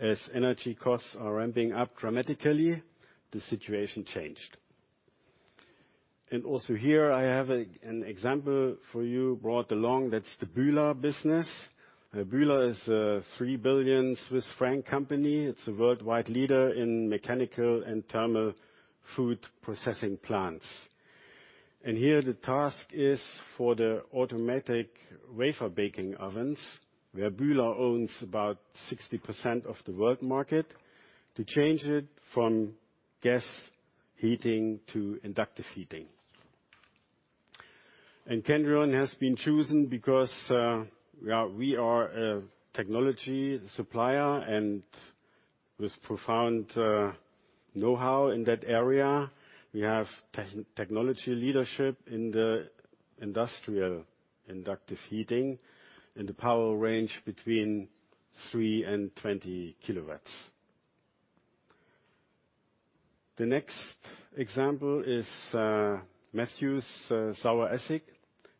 as energy costs are ramping up dramatically, the situation changed. Also here I have an example for you brought along. That's the Bühler business. Bühler is a 3 billion Swiss franc company. It's a worldwide leader in mechanical and thermal food processing plants. Here, the task is for the automatic wafer baking ovens, where Bühler owns about 60% of the world market, to change it from gas heating to inductive heating. Kendrion has been chosen because we are a technology supplier and with profound know-how in that area. We have technology leadership in the industrial inductive heating, in the power range between 3 kW and 20 kW. The next example is Matthews Saueressig.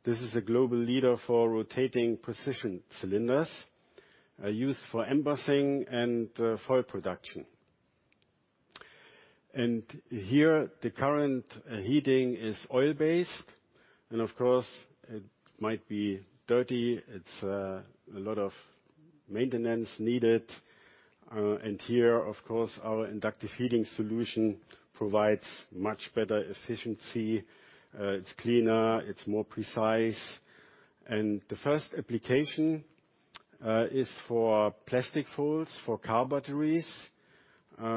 This is a global leader for rotating precision cylinders used for embossing and foil production. Here the current heating is oil-based, and of course, it might be dirty. It's a lot of maintenance needed. Here, of course, our inductive heating solution provides much better efficiency. It's cleaner, it's more precise. The first application is for plastic foils for car batteries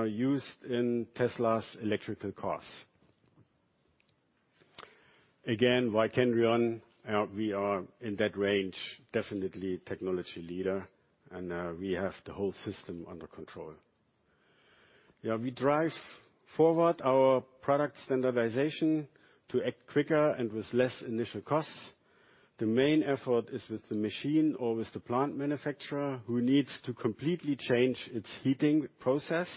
used in Tesla's electrical cars. Again, why Kendrion? We are in that range, definitely technology leader, and we have the whole system under control. Yeah, we drive forward our product standardization to act quicker and with less initial costs. The main effort is with the machine or with the plant manufacturer who needs to completely change its heating process.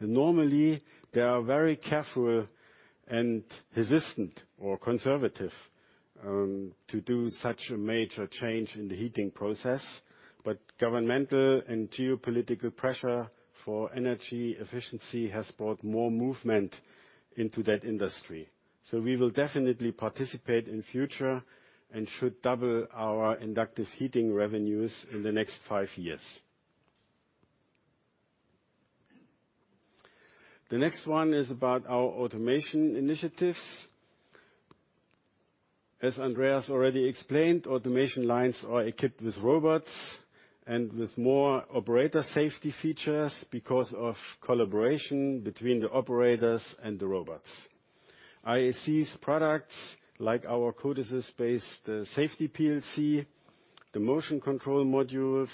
Normally they are very careful and resistant or conservative to do such a major change in the heating process, but governmental and geopolitical pressure for energy efficiency has brought more movement into that industry. We will definitely participate in future and should double our induction heating revenues in the next five years. The next one is about our automation initiatives. As Andreas already explained, automation lines are equipped with robots and with more operator safety features because of collaboration between the operators and the robots. IAC's products like our CODESYS-based safety PLC, the motion control modules,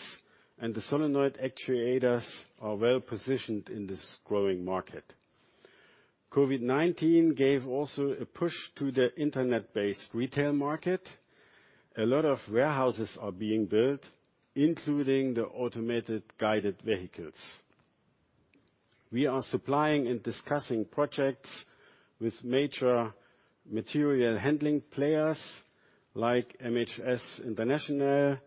and the solenoid actuators are well positioned in this growing market. COVID-19 gave also a push to the internet-based retail market. A lot of warehouses are being built, including the automated guided vehicles. We are supplying and discussing projects with major material handling players like MHS Global,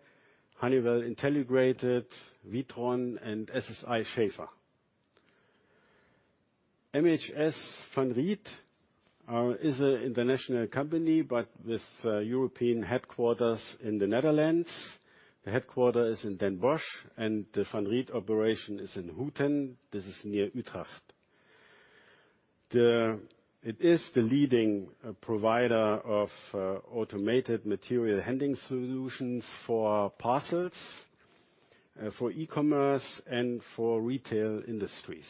Honeywell Intelligrated, WITRON, and SSI SCHAEFER. MHS VanRiet an international company, but with European headquarters in the Netherlands. The headquarters is in Den Bosch, and the VanRiet operation is in Houten. This is near Utrecht. It is the leading provider of automated material handling solutions for parcels for e-commerce and for retail industries.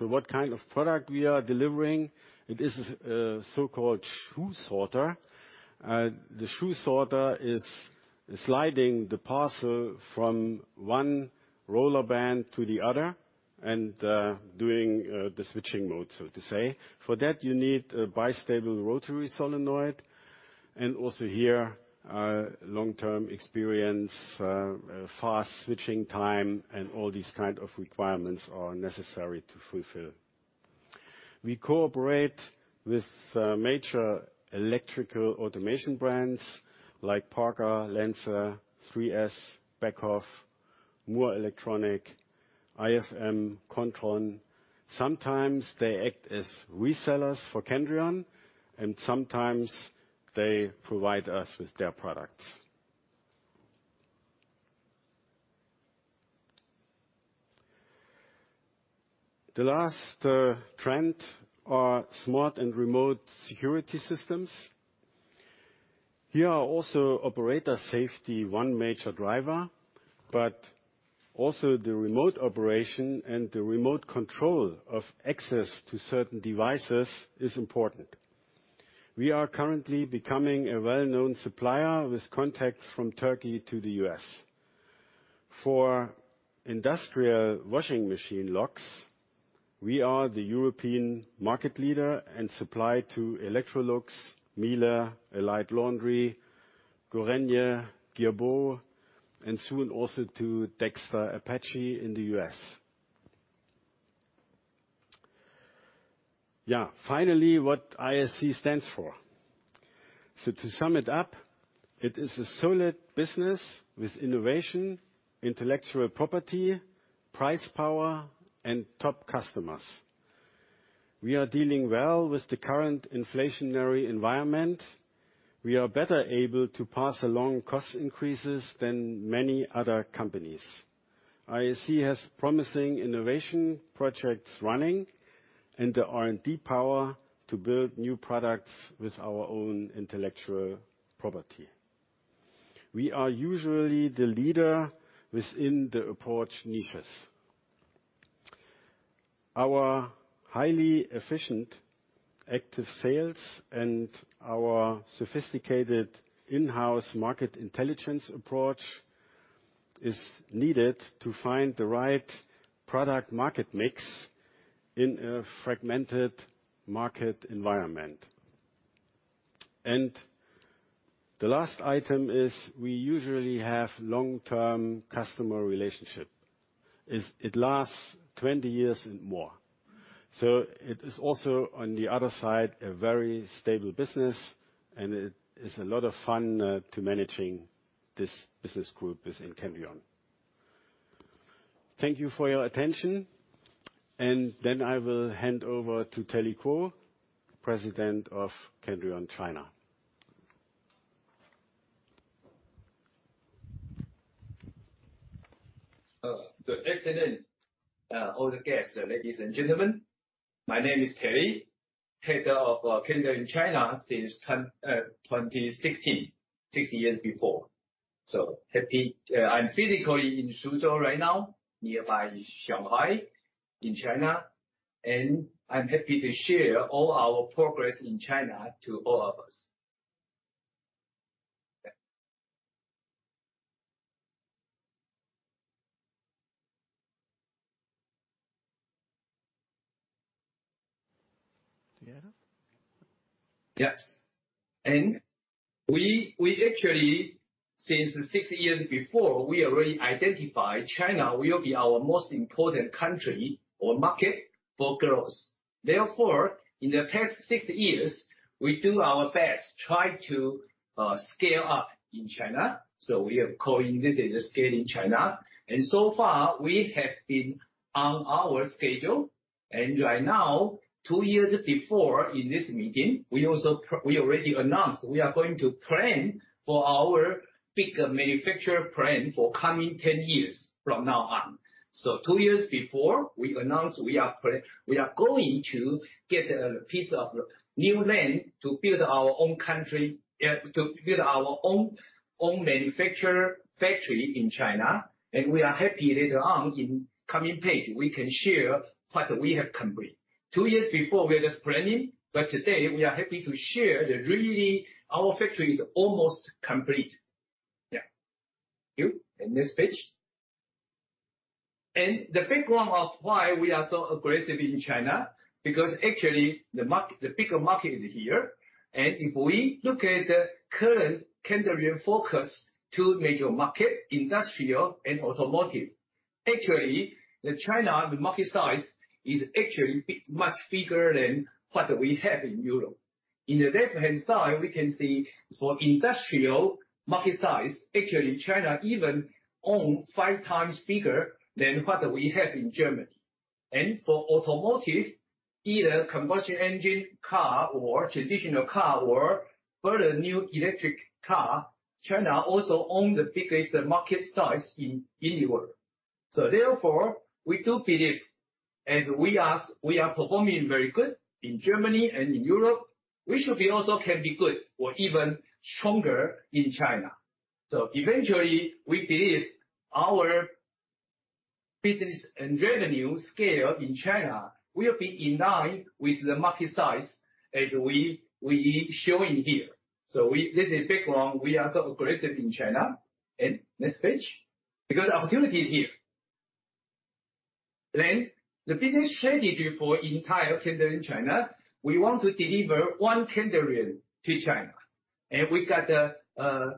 What kind of product we are delivering? It is so-called shoe sorter. The shoe sorter is sliding the parcel from one roller band to the other and doing the switching mode, so to say. For that, you need a bistable rotary solenoid. Also here, long-term experience, fast switching time and all these kind of requirements are necessary to fulfill. We cooperate with major electrical automation brands like Parker, Lenze, 3S, Beckhoff, Murrelektronik, ifm, Kontron. Sometimes they act as resellers for Kendrion, and sometimes they provide us with their products. The last trend are smart and remote security systems. Here, operator safety is one major driver, but also the remote operation and the remote control of access to certain devices is important. We are currently becoming a well-known supplier with contacts from Turkey to the U.S. For industrial washing machine locks, we are the European market leader and supply to Electrolux, Miele, Alliance Laundry, Gorenje, Girbau, and soon also to Dexter Apache in the U.S. Yeah. Finally, what ISC stands for. To sum it up, it is a solid business with innovation, intellectual property, price power, and top customers. We are dealing well with the current inflationary environment. We are better able to pass along cost increases than many other companies. ISC has promising innovation projects running and the R&D power to build new products with our own intellectual property. We are usually the leader within the approach niches. Our highly efficient active sales and our sophisticated in-house market intelligence approach is needed to find the right product market mix in a fragmented market environment. The last item is we usually have long-term customer relationship. It lasts 20 years and more. It is also, on the other side, a very stable business, and it is a lot of fun to managing this business group as in Kendrion. Thank you for your attention. I will hand over to Telly Kuo, President of Kendrion China. Good afternoon, all the guests, ladies and gentlemen. My name is Telly Kuo, head of Kendrion China since 2016, six years before. I'm physically in Suzhou right now, nearby Shanghai in China, and I'm happy to share all our progress in China to all of us. Yeah. Do you have it? Yes. We actually, since the six years before, we already identified China will be our most important country or market for growth. Therefore, in the past six years, we do our best try to scale up in China. We are calling this as a scale in China. So far, we have been on our schedule. Right now, two years before in this meeting, we already announced we are going to plan for our big manufacture plan for coming ten years from now on. Two years before, we announced we are going to get a piece of new land to build our own manufacture factory in China. We are happy later on in coming page, we can share what we have complete. Two years before, we are just planning, but today we are happy to share that really our factory is almost complete. Yeah. And next page. The background of why we are so aggressive in China, because actually the bigger market is here. If we look at the current Kendrion focus to major market, industrial and automotive, actually, China, the market size is actually much bigger than what we have in Europe. In the left-hand side, we can see for industrial market size, actually, China even own 5x bigger than what we have in Germany. For automotive, either combustion engine car or traditional car or further new electric car, China also own the biggest market size in the world. Therefore, we do believe as we are performing very good in Germany and in Europe, we should be also can be good or even stronger in China. Eventually, we believe our business and revenue scale in China will be in line with the market size as we showing here. This is background, we are so aggressive in China. Next page. Because opportunity is here. The business strategy for entire Kendrion China, we want to deliver one Kendrion to China. We got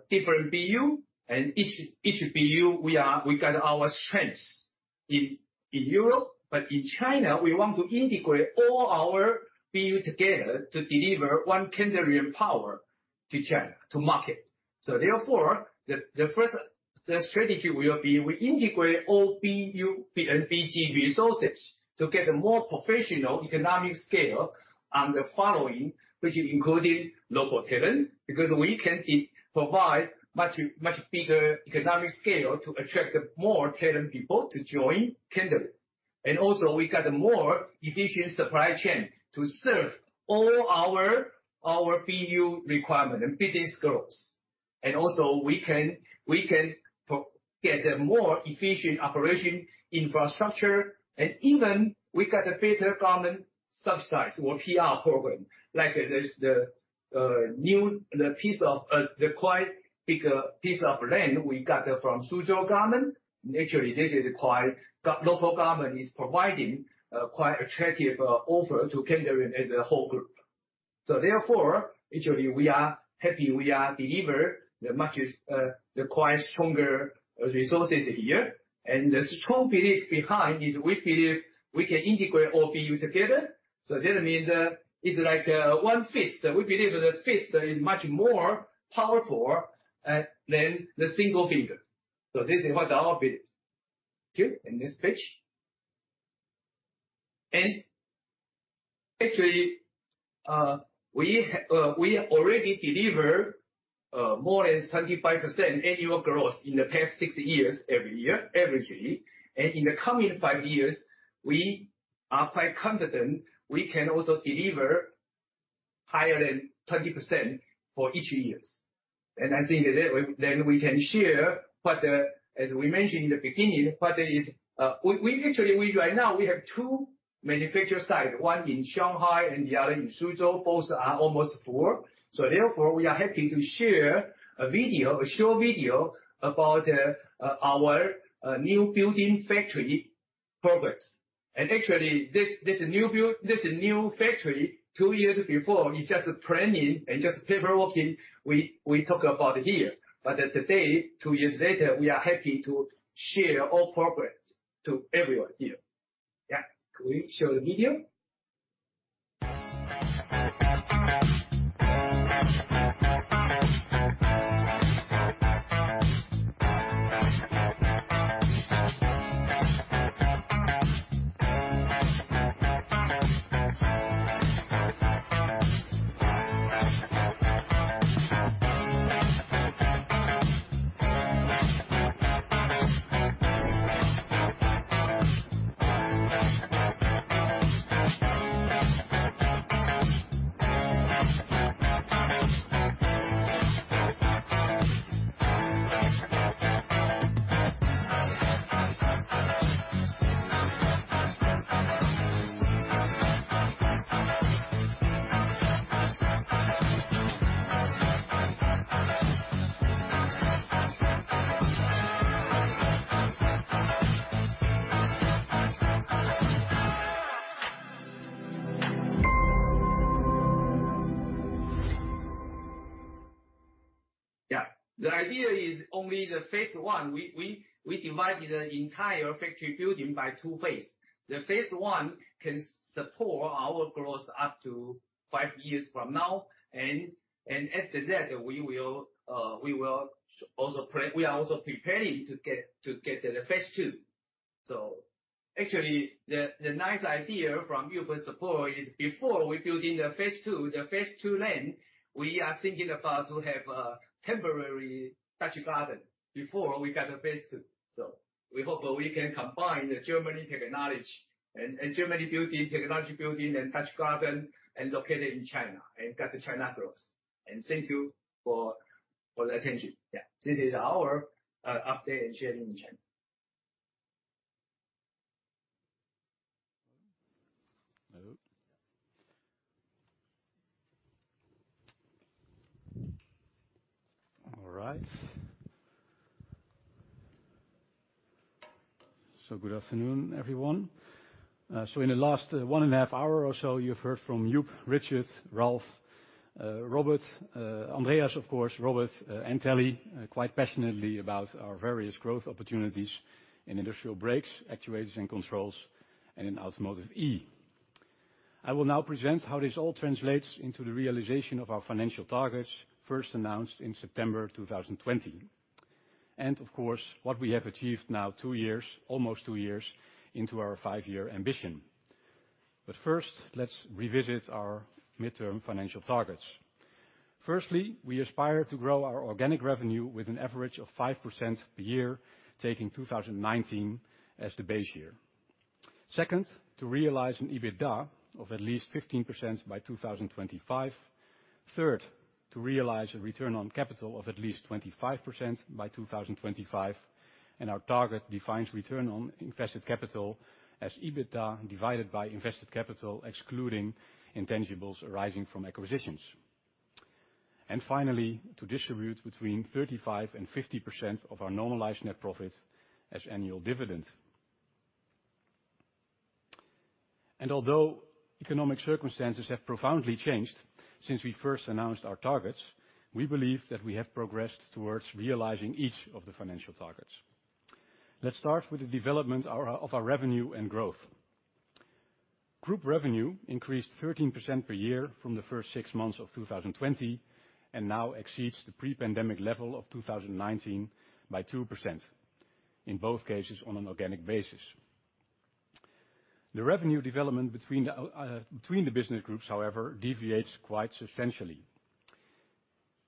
different BU, and each BU we got our strengths in Europe, but in China, we want to integrate all our BU together to deliver one Kendrion power to China, to market. The strategy will be we integrate all BU and BG resources to get a more professional economic scale on the following, which is including local talent, because we can provide it much bigger economic scale to attract more talent people to join Kendrion. We got a more efficient supply chain to serve all our BU requirement and business growth. We can get a more efficient operation infrastructure, and even we got a better government subsidies or PR program. Like there's the piece of land we got from Suzhou government. Naturally, this is quite local government is providing a quite attractive offer to Kendrion as a whole group. Actually we are happy we are deliver the much stronger resources here. The strong belief behind is we believe we can integrate all BU together. That means, it's like, one fist. We believe the fist is much more powerful than the single finger. This is what our belief. Here, in this page. Actually, we already deliver more than 25% annual growth in the past six years, every year, averagely. In the coming five years, we are quite confident we can also deliver higher than 20% for each year. I think that, then we can share what the. As we mentioned in the beginning, what is, we actually, right now, we have two manufacturing sites, one in Shanghai and the other in Suzhou. Both are almost full. We are happy to share a video, a show video about our new building factory progress. Actually this new build, this new factory, two years before, is just planning and just paper working, we talk about here. Today, two years later, we are happy to share all progress to everyone here. Yeah. Can we show the video? Yeah. The idea is only phase one. We divide the entire factory building into two phases. Phase one can support our growth up to five years from now. After that, we will also. We are also preparing to get phase two. Actually, the nice idea from Joep's support is before we build in the phase two land, we are thinking about to have a temporary Dutch garden before we got the phase two. We hope we can combine the German technology and Germany building, technology building and Dutch garden, and located in China and get the China growth. Thank you for the attention. Yeah. This is our update and sharing in China. All right. Good afternoon, everyone. In the last 1.5 hour or so, you've heard from Joep, Richard, Ralf, Robert, Andreas of course, and Telly, quite passionately about our various growth opportunities in industrial brakes, actuators and controls, and in Automotive E. I will now present how this all translates into the realization of our financial targets, first announced in September 2020. Of course, what we have achieved now two years, almost two years, into our five-year ambition. First, let's revisit our midterm financial targets. Firstly, we aspire to grow our organic revenue with an average of 5% per year, taking 2019 as the base year. Second, to realize an EBITDA of at least 15% by 2025. Third, to realize a return on capital of at least 25% by 2025, and our target defines return on invested capital as EBITDA divided by invested capital, excluding intangibles arising from acquisitions. Finally, to distribute between 35% and 50% of our normalized net profit as annual dividend. Although economic circumstances have profoundly changed since we first announced our targets, we believe that we have progressed towards realizing each of the financial targets. Let's start with the development of our revenue and growth. Group revenue increased 13% per year from the first six months of 2020, and now exceeds the pre-pandemic level of 2019 by 2%, in both cases on an organic basis. The revenue development between the business groups, however, deviates quite substantially.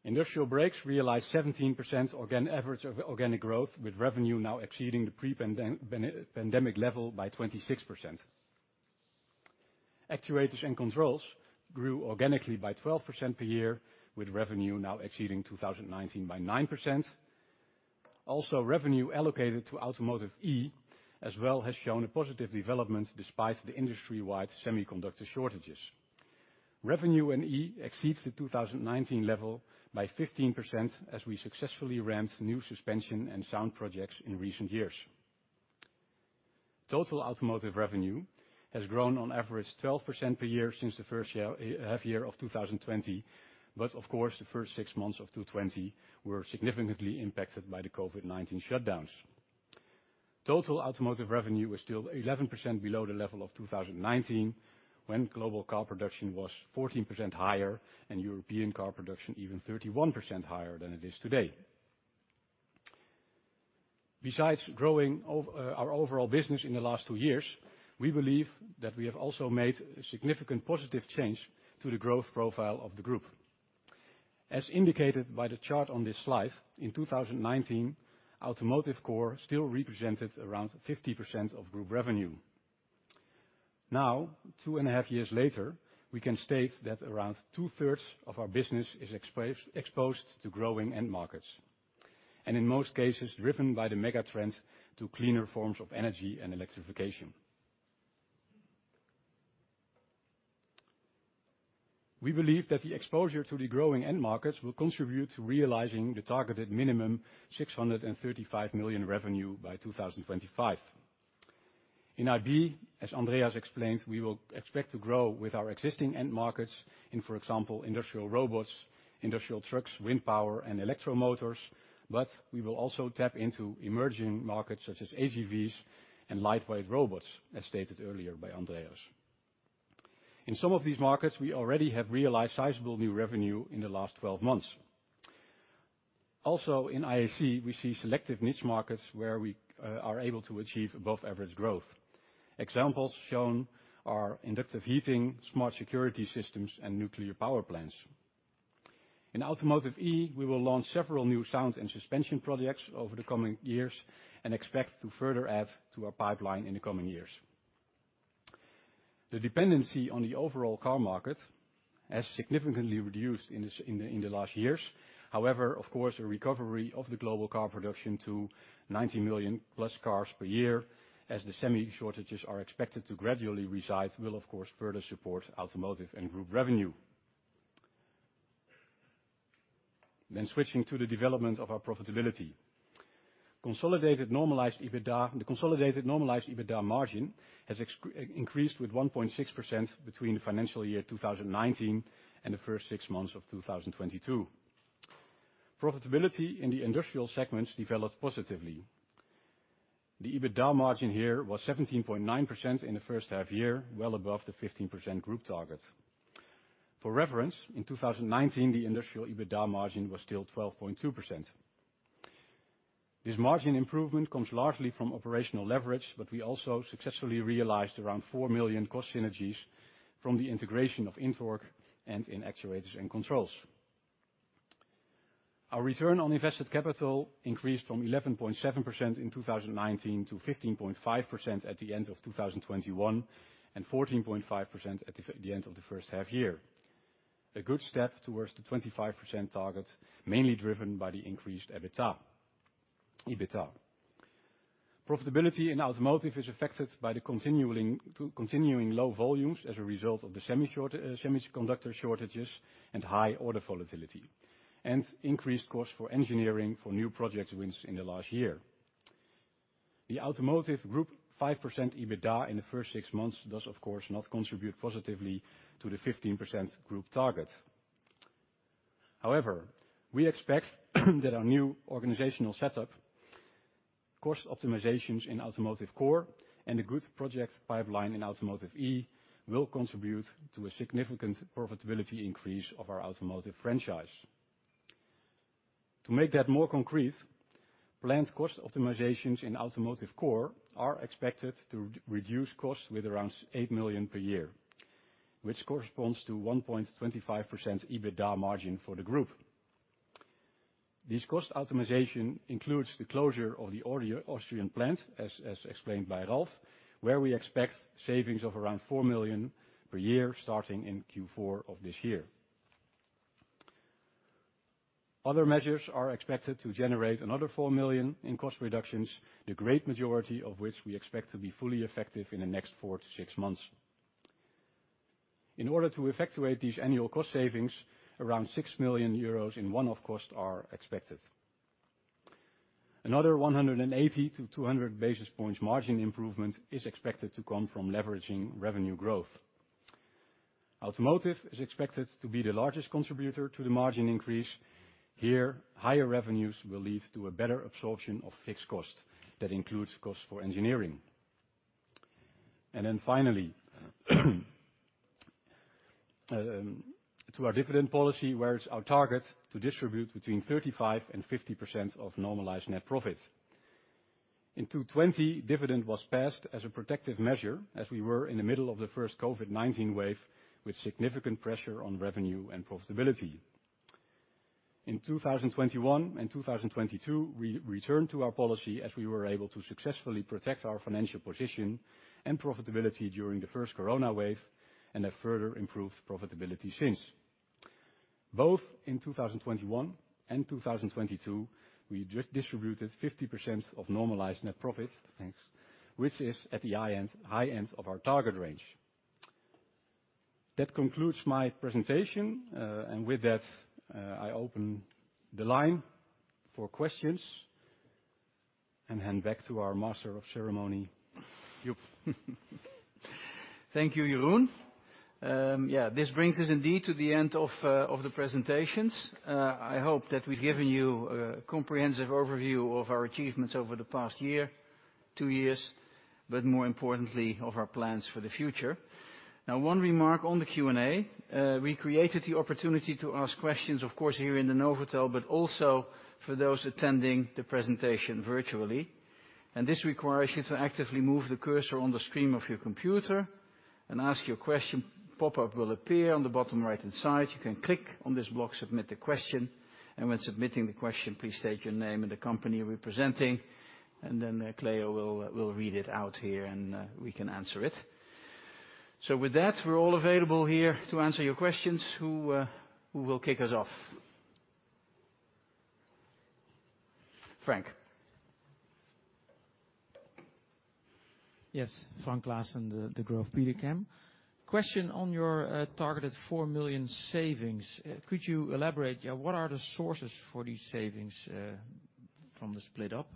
Industrial brakes realized 17% average of organic growth, with revenue now exceeding the pre-pandemic level by 26%. Actuators and controls grew organically by 12% per year, with revenue now exceeding 2019 by 9%. Also, revenue allocated to Automotive E as well has shown a positive development despite the industry-wide semiconductor shortages. Revenue in E exceeds the 2019 level by 15% as we successfully ramped new suspension and sound projects in recent years. Total automotive revenue has grown on average 12% per year since the first half year of 2020, but of course, the first six months of 2020 were significantly impacted by the COVID-19 shutdowns. Total automotive revenue is still 11% below the level of 2019 when global car production was 14% higher, and European car production even 31% higher than it is today. Besides growing our overall business in the last two years, we believe that we have also made a significant positive change to the growth profile of the group. As indicated by the chart on this slide, in 2019, Automotive Core still represented around 50% of group revenue. Now, 2.5 years later, we can state that around 2/3 of our business is exposed to growing end markets, and in most cases, driven by the mega-trend to cleaner forms of energy and electrification. We believe that the exposure to the growing end markets will contribute to realizing the targeted minimum 635 million revenue by 2025. In IB, as Andreas explained, we will expect to grow with our existing end markets in, for example, industrial robots, industrial trucks, wind power, and electric motors, but we will also tap into emerging markets such as AGVs and lightweight robots, as stated earlier by Andreas. In some of these markets, we already have realized sizable new revenue in the last 12 months. Also, in IAC, we see selective niche markets where we are able to achieve above-average growth. Examples shown are induction heating, smart security systems, and nuclear power plants. In Automotive E, we will launch several new sounds and suspension products over the coming years and expect to further add to our pipeline in the coming years. The dependency on the overall car market has significantly reduced in the last years. However, of course, a recovery of the global car production to 90 million+ cars per year, as the semi shortages are expected to gradually subside, will of course further support automotive and group revenue. Switching to the development of our profitability. Consolidated normalized EBITDA, the consolidated normalized EBITDA margin has increased with 1.6% between the financial year 2019 and the first six months of 2022. Profitability in the industrial segments developed positively. The EBITDA margin here was 17.9% in the first half year, well above the 15% group target. For reference, in 2019, the industrial EBITDA margin was still 12.2%. This margin improvement comes largely from operational leverage, but we also successfully realized around 4 million cost synergies from the integration of INTORQ and Industrial Actuators and Controls. Our return on invested capital increased from 11.7% in 2019 to 15.5% at the end of 2021, and 14.5% at the end of the first half-year. A good step towards the 25% target, mainly driven by the increased EBITDA. Profitability in Automotive is affected by the continuing low volumes as a result of the semiconductor shortages and high order volatility, and increased costs for engineering for new project wins in the last year. The Automotive Group's 5% EBITDA in the first six months does, of course, not contribute positively to the 15% group target. However, we expect that our new organizational setup, cost optimizations in Automotive Core, and a good project pipeline in Automotive E will contribute to a significant profitability increase of our automotive franchise. To make that more concrete, planned cost optimizations in Automotive Core are expected to reduce costs with around 8 million per year, which corresponds to 1.25% EBITDA margin for the group. This cost optimization includes the closure of the Eibiswald Austrian plant, as explained by Ralf, where we expect savings of around 4 million per year starting in Q4 of this year. Other measures are expected to generate another 4 million in cost reductions, the great majority of which we expect to be fully effective in the next four to six months. In order to effectuate these annual cost savings, around 6 million euros in one-off costs are expected. Another 180 basis points-200 basis points margin improvement is expected to come from leveraging revenue growth. Automotive is expected to be the largest contributor to the margin increase. Here, higher revenues will lead to a better absorption of fixed cost. That includes costs for engineering. Finally, to our dividend policy, where it's our target to distribute between 35% and 50% of normalized net profit. In 2020, dividend was passed as a protective measure, as we were in the middle of the first COVID-19 wave, with significant pressure on revenue and profitability. In 2021 and 2022, we returned to our policy as we were able to successfully protect our financial position and profitability during the first Corona wave, and have further improved profitability since. Both in 2021 and 2022, we distributed 50% of normalized net profit. Thanks. Which is at the high end of our target range. That concludes my presentation. With that, I open the line for questions and hand back to our master of ceremony, Joep. Thank you, Jeroen. Yeah, this brings us indeed to the end of the presentations. I hope that we've given you a comprehensive overview of our achievements over the past year, two years, but more importantly, of our plans for the future. Now, one remark on the Q&A. We created the opportunity to ask questions, of course, here in the Novotel, but also for those attending the presentation virtually. This requires you to actively move the cursor on the screen of your computer and ask your question. Pop-up will appear on the bottom right-hand side. You can click on this block, submit the question, and when submitting the question, please state your name and the company you're representing. Then Cleo will read it out here, and we can answer it. With that, we're all available here to answer your questions. Who will kick us off? Frank? Yes. Frank Claassen, the Degroof Petercam. Question on your targeted 4 million savings. Could you elaborate? What are the sources for these savings from the split up?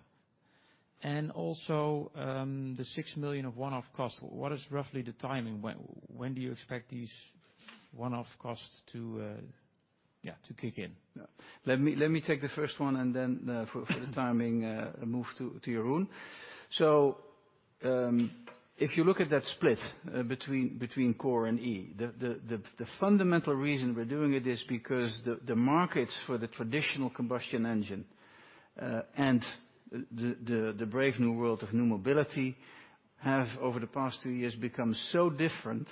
And also, the 6 million of one-off costs. What is roughly the timing? When do you expect these one-off costs to kick in? Let me take the first one and then, for the timing, move to Jeroen. If you look at that split between Core and E, the fundamental reason we're doing it is because the markets for the traditional combustion engine and the brave new world of new mobility have, over the past two years, become so different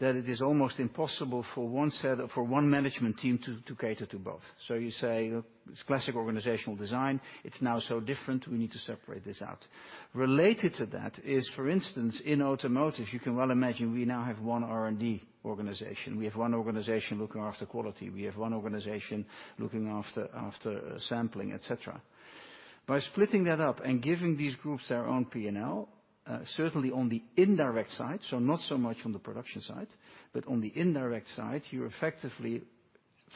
that it is almost impossible for one management team to cater to both. You say it's classic organizational design. It's now so different, we need to separate this out. Related to that is, for instance, in automotive, you can well imagine we now have one R&D organization. We have one organization looking after quality. We have one organization looking after sampling, et cetera. By splitting that up and giving these groups their own P&L, certainly on the indirect side, so not so much on the production side, but on the indirect side, you're effectively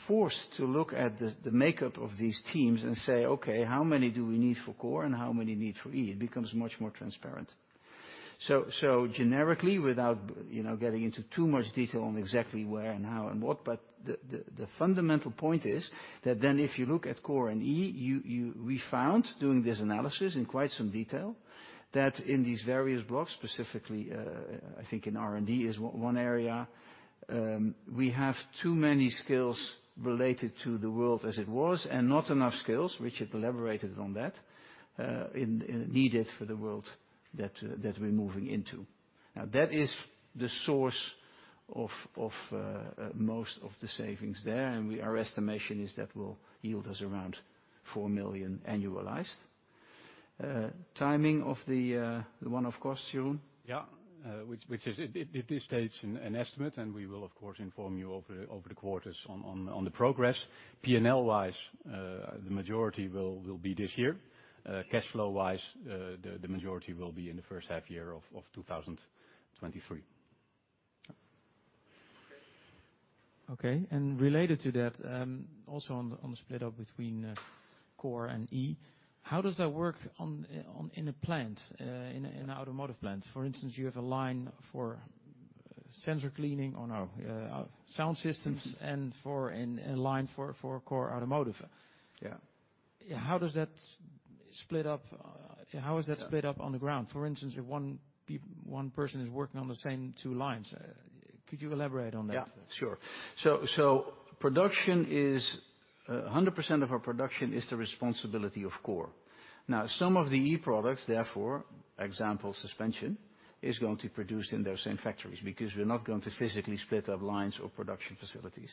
forced to look at the makeup of these teams and say, "Okay, how many do we need for Core and how many we need for E?" It becomes much more transparent. Generically, without, you know, getting into too much detail on exactly where and how and what, but the fundamental point is that if you look at Core and E, we found doing this analysis in quite some detail, that in these various blocks, specifically, I think in R&D is one area, we have too many skills related to the world as it was, and not enough skills needed for the world that we're moving into. That is the source of most of the savings there, and our estimation is that will yield us around 4 million annualized. Timing of the one-off costs, Jeroen? Yeah. Which is at this stage an estimate, and we will, of course, inform you over the quarters on the progress. P&L-wise, the majority will be this year. Cash flow-wise, the majority will be in the first half year of 2023. Okay. Related to that, also on the split up between Core and E, how does that work in a plant, in an automotive plant? For instance, you have a line for sensor cleaning, sound systems and a line for core automotive. Yeah. How does that split up? How is that split up on the ground? For instance, if one person is working on the same two lines, could you elaborate on that? Yeah, sure. Production is 100% of our production the responsibility of Core. Now, some of the E products, for example suspension, is going to be produced in those same factories because we're not going to physically split up lines or production facilities.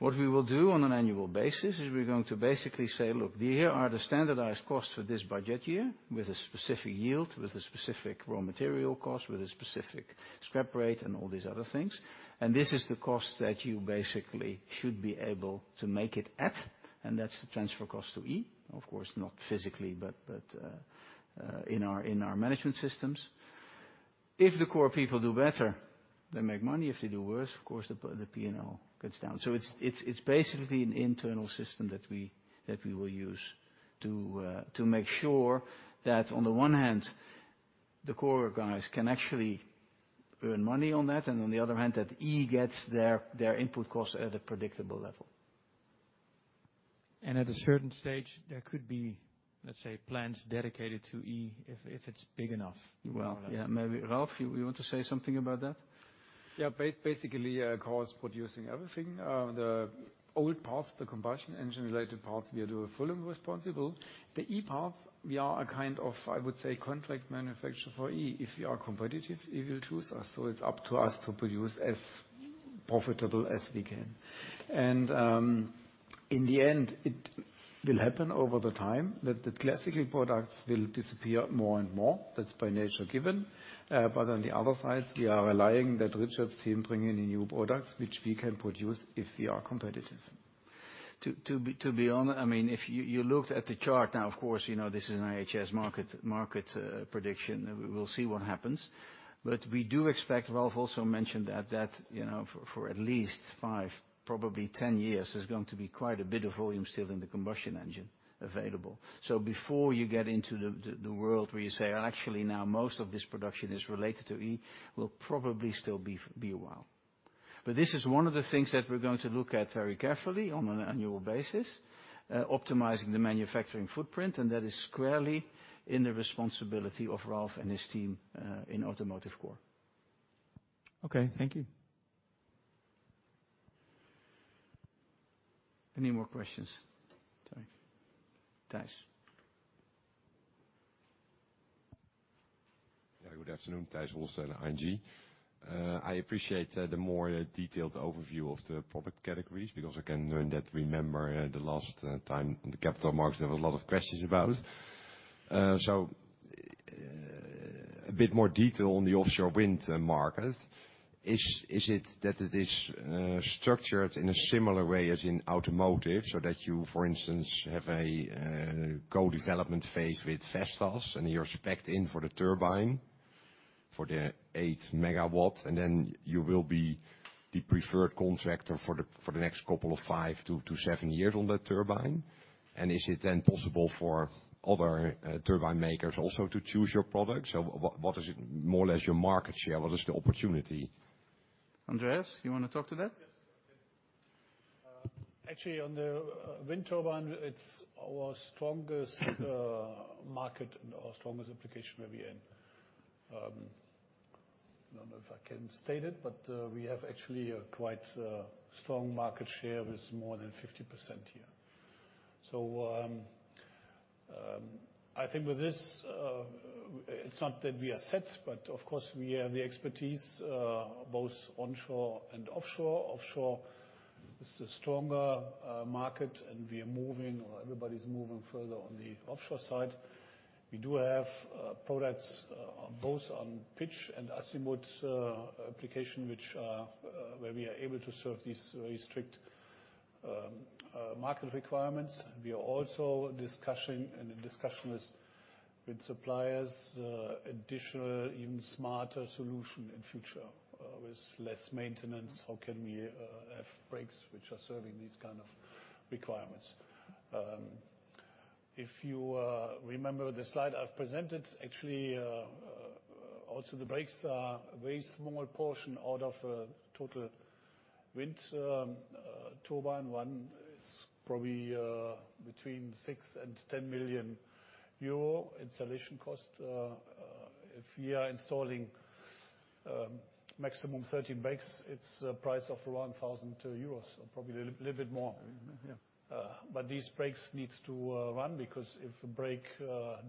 What we will do on an annual basis is we're going to basically say, "Look, here are the standardized costs for this budget year with a specific yield, with a specific raw material cost, with a specific scrap rate and all these other things. And this is the cost that you basically should be able to make it at." That's the transfer cost to E. Of course, not physically, but in our management systems. If the Core people do better, they make money. If they do worse, of course, the P&L gets down. It's basically an internal system that we will use to make sure that on the one hand, the Core guys can actually earn money on that, and on the other hand, that E gets their input costs at a predictable level. At a certain stage, there could be, let's say, plants dedicated to E if it's big enough. Well, yeah, maybe. Ralf, you want to say something about that? Yeah, basically, of course producing everything. The old parts, the combustion engine related parts, we are fully responsible. The e parts, we are a kind of, I would say contract manufacturer for E. If we are competitive, it will choose us. It's up to us to produce as profitable as we can. In the end, it will happen over the time that the classical products will disappear more and more. That's by nature given. On the other side, we are relying that Richard's team bring in new products which we can produce if we are competitive. To be honest, I mean, if you looked at the chart now, of course, you know, this is an IHS Markit prediction. We will see what happens. We do expect, Ralf also mentioned that, you know, for at least five years, probably 10 years, there's going to be quite a bit of volume still in the combustion engine available. Before you get into the world where you say, "Actually, now most of this production is related to E," will probably still be a while. This is one of the things that we're going to look at very carefully on an annual basis, optimizing the manufacturing footprint, and that is squarely in the responsibility of Ralf and his team in Automotive Core. Okay, thank you. Any more questions? Sorry. Tijs. Yeah. Good afternoon, Tijs Hollestelle, ING. I appreciate the more detailed overview of the product categories, because I can learn from that, remember, the last time at the Capital Markets Day, there were a lot of questions about. A bit more detail on the offshore wind market. Is it that it is structured in a similar way as in automotive so that you, for instance, have a co-development phase with Vestas and you're spec'd in for the 8-MW turbine, and then you will be the preferred contractor for the next couple of five to seven years on that turbine? And is it then possible for other turbine makers also to choose your products? What is it more or less your market share? What is the opportunity? Andreas, you wanna talk to that? Yes. Actually, on the wind turbine, it's our strongest market and our strongest application where we are in. I don't know if I can state it, but we have actually a quite strong market share with more than 50% here. I think with this, it's not that we are set, but of course, we have the expertise both onshore and offshore. Offshore is the stronger market, and we are moving or everybody's moving further on the offshore side. We do have products both on pitch and azimuth application, which where we are able to serve these very strict market requirements. We are also discussing and in discussion with suppliers, additional even smarter solution in future, with less maintenance, how can we have brakes which are serving these kind of requirements. If you remember the slide I've presented, actually, also the brakes are a very small portion out of a total wind turbine. One is probably between 6 million-10 million euro installation cost. If we are installing maximum 13 brakes, it's a price of 1,000 euros, so probably a little bit more. Mm-hmm. Yeah. These brakes needs to run because if the brake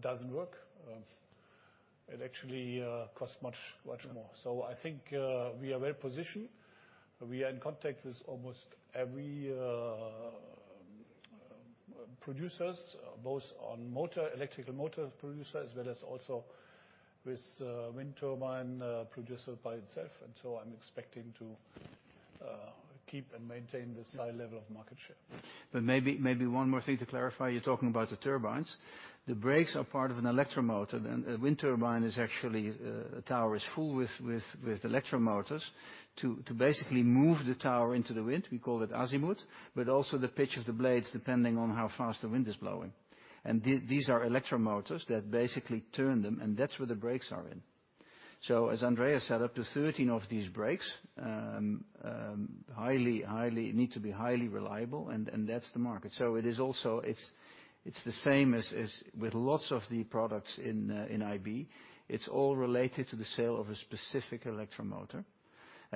doesn't work, it actually costs much, much more. I think we are well positioned. We are in contact with almost every producers, both on motor, electrical motor producer, as well as also with wind turbine producer by itself. I'm expecting to keep and maintain this high level of market share. Maybe one more thing to clarify. You're talking about the turbines. The brakes are part of an electric motor. A wind turbine is actually a tower full with electric motors to basically move the tower into the wind. We call it azimuth, but also the pitch of the blades, depending on how fast the wind is blowing. These are electric motors that basically turn them, and that's where the brakes are in. As Andreas said, up to 13 of these brakes need to be highly reliable, and that's the market. It is also, it's the same as with lots of the products in IB, it's all related to the sale of a specific electric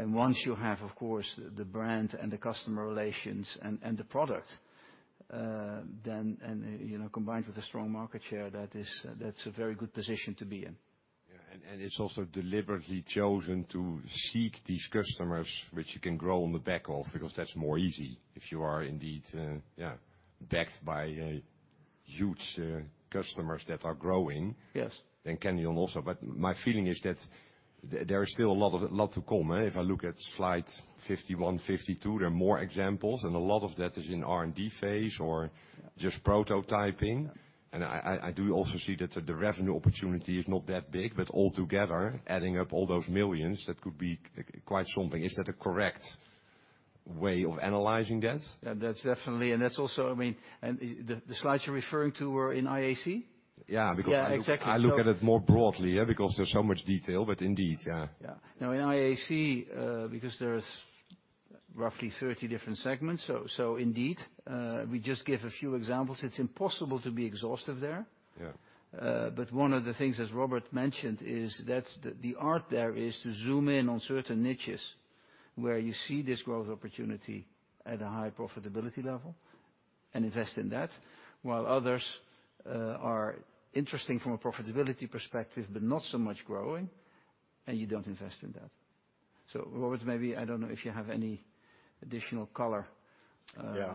motor. Once you have, of course, the brand and the customer relations and the product, then you know, combined with a strong market share, that's a very good position to be in. It's also deliberately chosen to seek these customers which you can grow on the back of, because that's more easy if you are indeed backed by huge customers that are growing. Yes. My feeling is that there is still a lot to come. If I look at slide 51, 52, there are more examples, and a lot of that is in R&D phase or just prototyping. Yeah. I do also see that the revenue opportunity is not that big, but altogether, adding up all those millions, that could be quite something. Is that a correct way of analyzing that? That's definitely, that's also, I mean, the slides you're referring to are in IAC? Yeah, because I look. Yeah, exactly. I look at it more broadly, yeah, because there's so much detail, but indeed, yeah. Now in IAC, because there is roughly 30 different segments. Indeed, we just give a few examples. It's impossible to be exhaustive there. Yeah. One of the things, as Robert mentioned, is that the art there is to zoom in on certain niches where you see this growth opportunity at a high profitability level and invest in that, while others are interesting from a profitability perspective, but not so much growing, and you don't invest in that. Robert, maybe I don't know if you have any additional color. Yeah.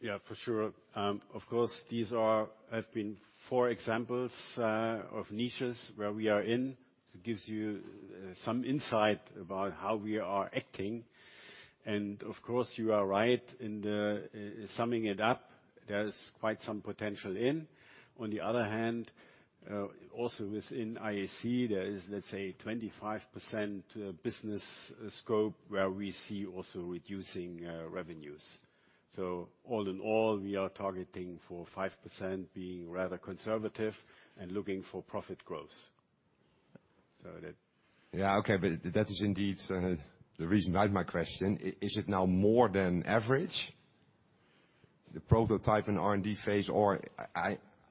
Yeah, for sure. Of course, these have been four examples of niches where we are in. It gives you some insight about how we are acting. Of course, you are right in summing it up, there's quite some potential in. On the other hand, also within IAC, there is, let's say, 25% business scope where we see also reducing revenues. All in all, we are targeting for 5% being rather conservative and looking for profit growth. Yeah, okay. That is indeed the reason behind my question. Is it now more than average, the prototype and R&D phase, or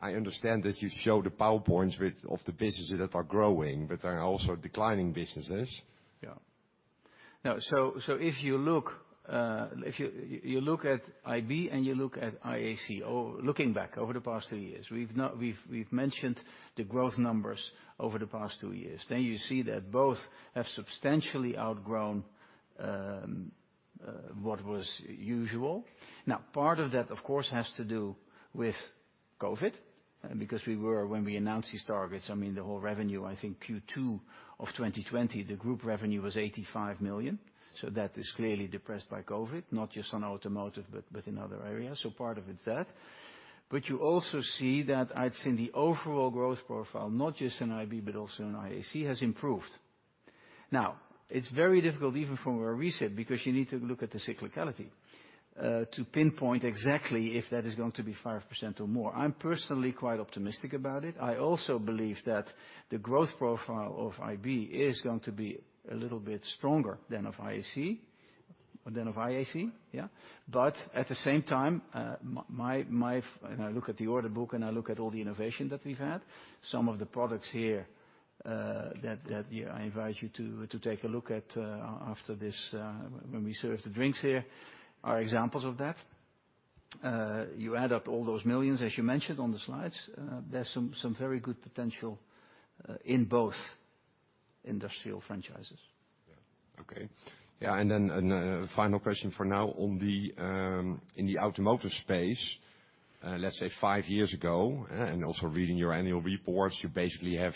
I understand that you show the PowerPoints with, of the businesses that are growing, but there are also declining businesses. If you look at IB and you look at IAC, looking back over the past three years, we've mentioned the growth numbers over the past two years. You see that both have substantially outgrown what was usual. Now, part of that, of course, has to do with COVID, because when we announced these targets, I mean, the whole revenue, I think Q2 2020, the group revenue was 85 million. That is clearly depressed by COVID, not just on automotive, but in other areas. Part of it's that. You also see that I'd say the overall growth profile, not just in IB, but also in IAC, has improved. Now, it's very difficult even from where we sit, because you need to look at the cyclicality, to pinpoint exactly if that is going to be 5% or more. I'm personally quite optimistic about it. I also believe that the growth profile of IB is going to be a little bit stronger than of IAC. At the same time, when I look at the order book and I look at all the innovation that we've had, some of the products here, that I invite you to take a look at, after this, when we serve the drinks here, are examples of that. You add up all those millions, as you mentioned on the slides, there's some very good potential in both industrial franchises. Yeah. Okay. Yeah. Then a final question for now. In the automotive space, let's say five years ago, and also reading your annual reports, you basically have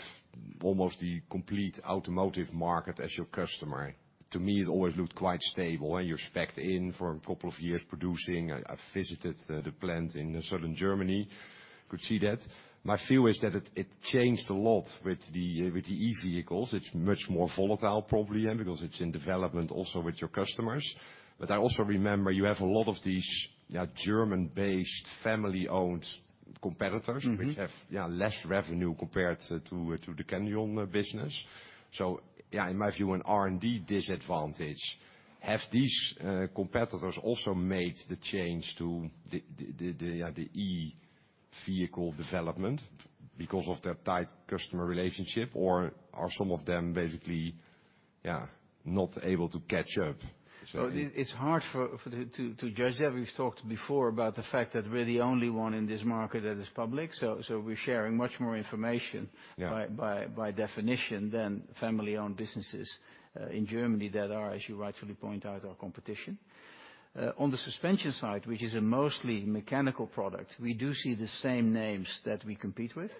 almost the complete automotive market as your customer. To me, it always looked quite stable, and you're spec'd in for a couple of years producing. I visited the plant in southern Germany, could see that. My view is that it changed a lot with the e-vehicles. It's much more volatile, probably, because it's in development also with your customers. But I also remember you have a lot of these, yeah, German-based, family-owned competitors. Mm-hmm. Which have, yeah, less revenue compared to the Core business. Yeah, in my view, an R&D disadvantage. Have these competitors also made the change to the e-vehicle development because of their tight customer relationship? Or are some of them basically, yeah, not able to catch up? It's hard to judge that. We've talked before about the fact that we're the only one in this market that is public, so we're sharing much more information- Yeah. By definition than family-owned businesses in Germany that are, as you rightfully point out, our competition. On the suspension side, which is a mostly mechanical product, we do see the same names that we compete with.